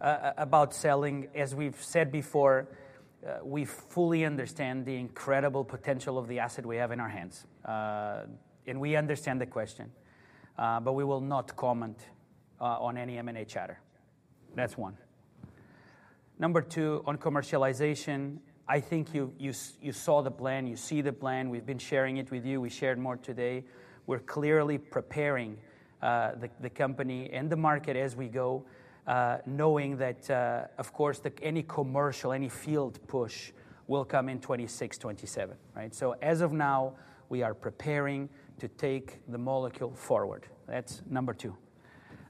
About selling, as we've said before, we fully understand the incredible potential of the asset we have in our hands. And we understand the question, but we will not comment on any M&A chatter. That's one. Number two, on commercialization, I think you saw the plan, you see the plan. We've been sharing it with you. We shared more today. We're clearly preparing the company and the market as we go, knowing that, of course, any commercial, any field push will come in 2026, 2027, right? So as of now, we are preparing to take the molecule forward. That's number two.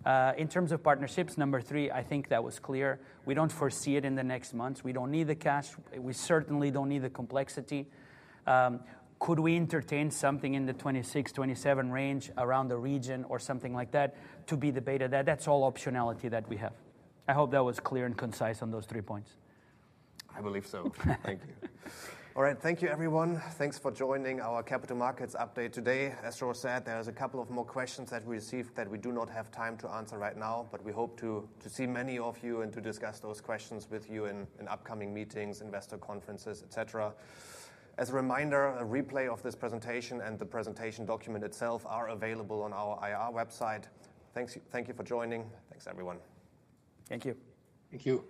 In terms of partnerships, number three, I think that was clear. We don't foresee it in the next months. We don't need the cash. We certainly don't need the complexity. Could we entertain something in the 2026, 2027 range around the region or something like that to be debated? That's all optionality that we have. I hope that was clear and concise on those three points. I believe so. Thank you. All right. Thank you, everyone. Thanks for joining our capital markets update today. As Jorge said, there's a couple of more questions that we received that we do not have time to answer right now, but we hope to see many of you and to discuss those questions with you in upcoming meetings, investor conferences, et cetera. As a reminder, a replay of this presentation and the presentation document itself are available on our IR website. Thank you for joining. Thanks, everyone. Thank you. Thank you.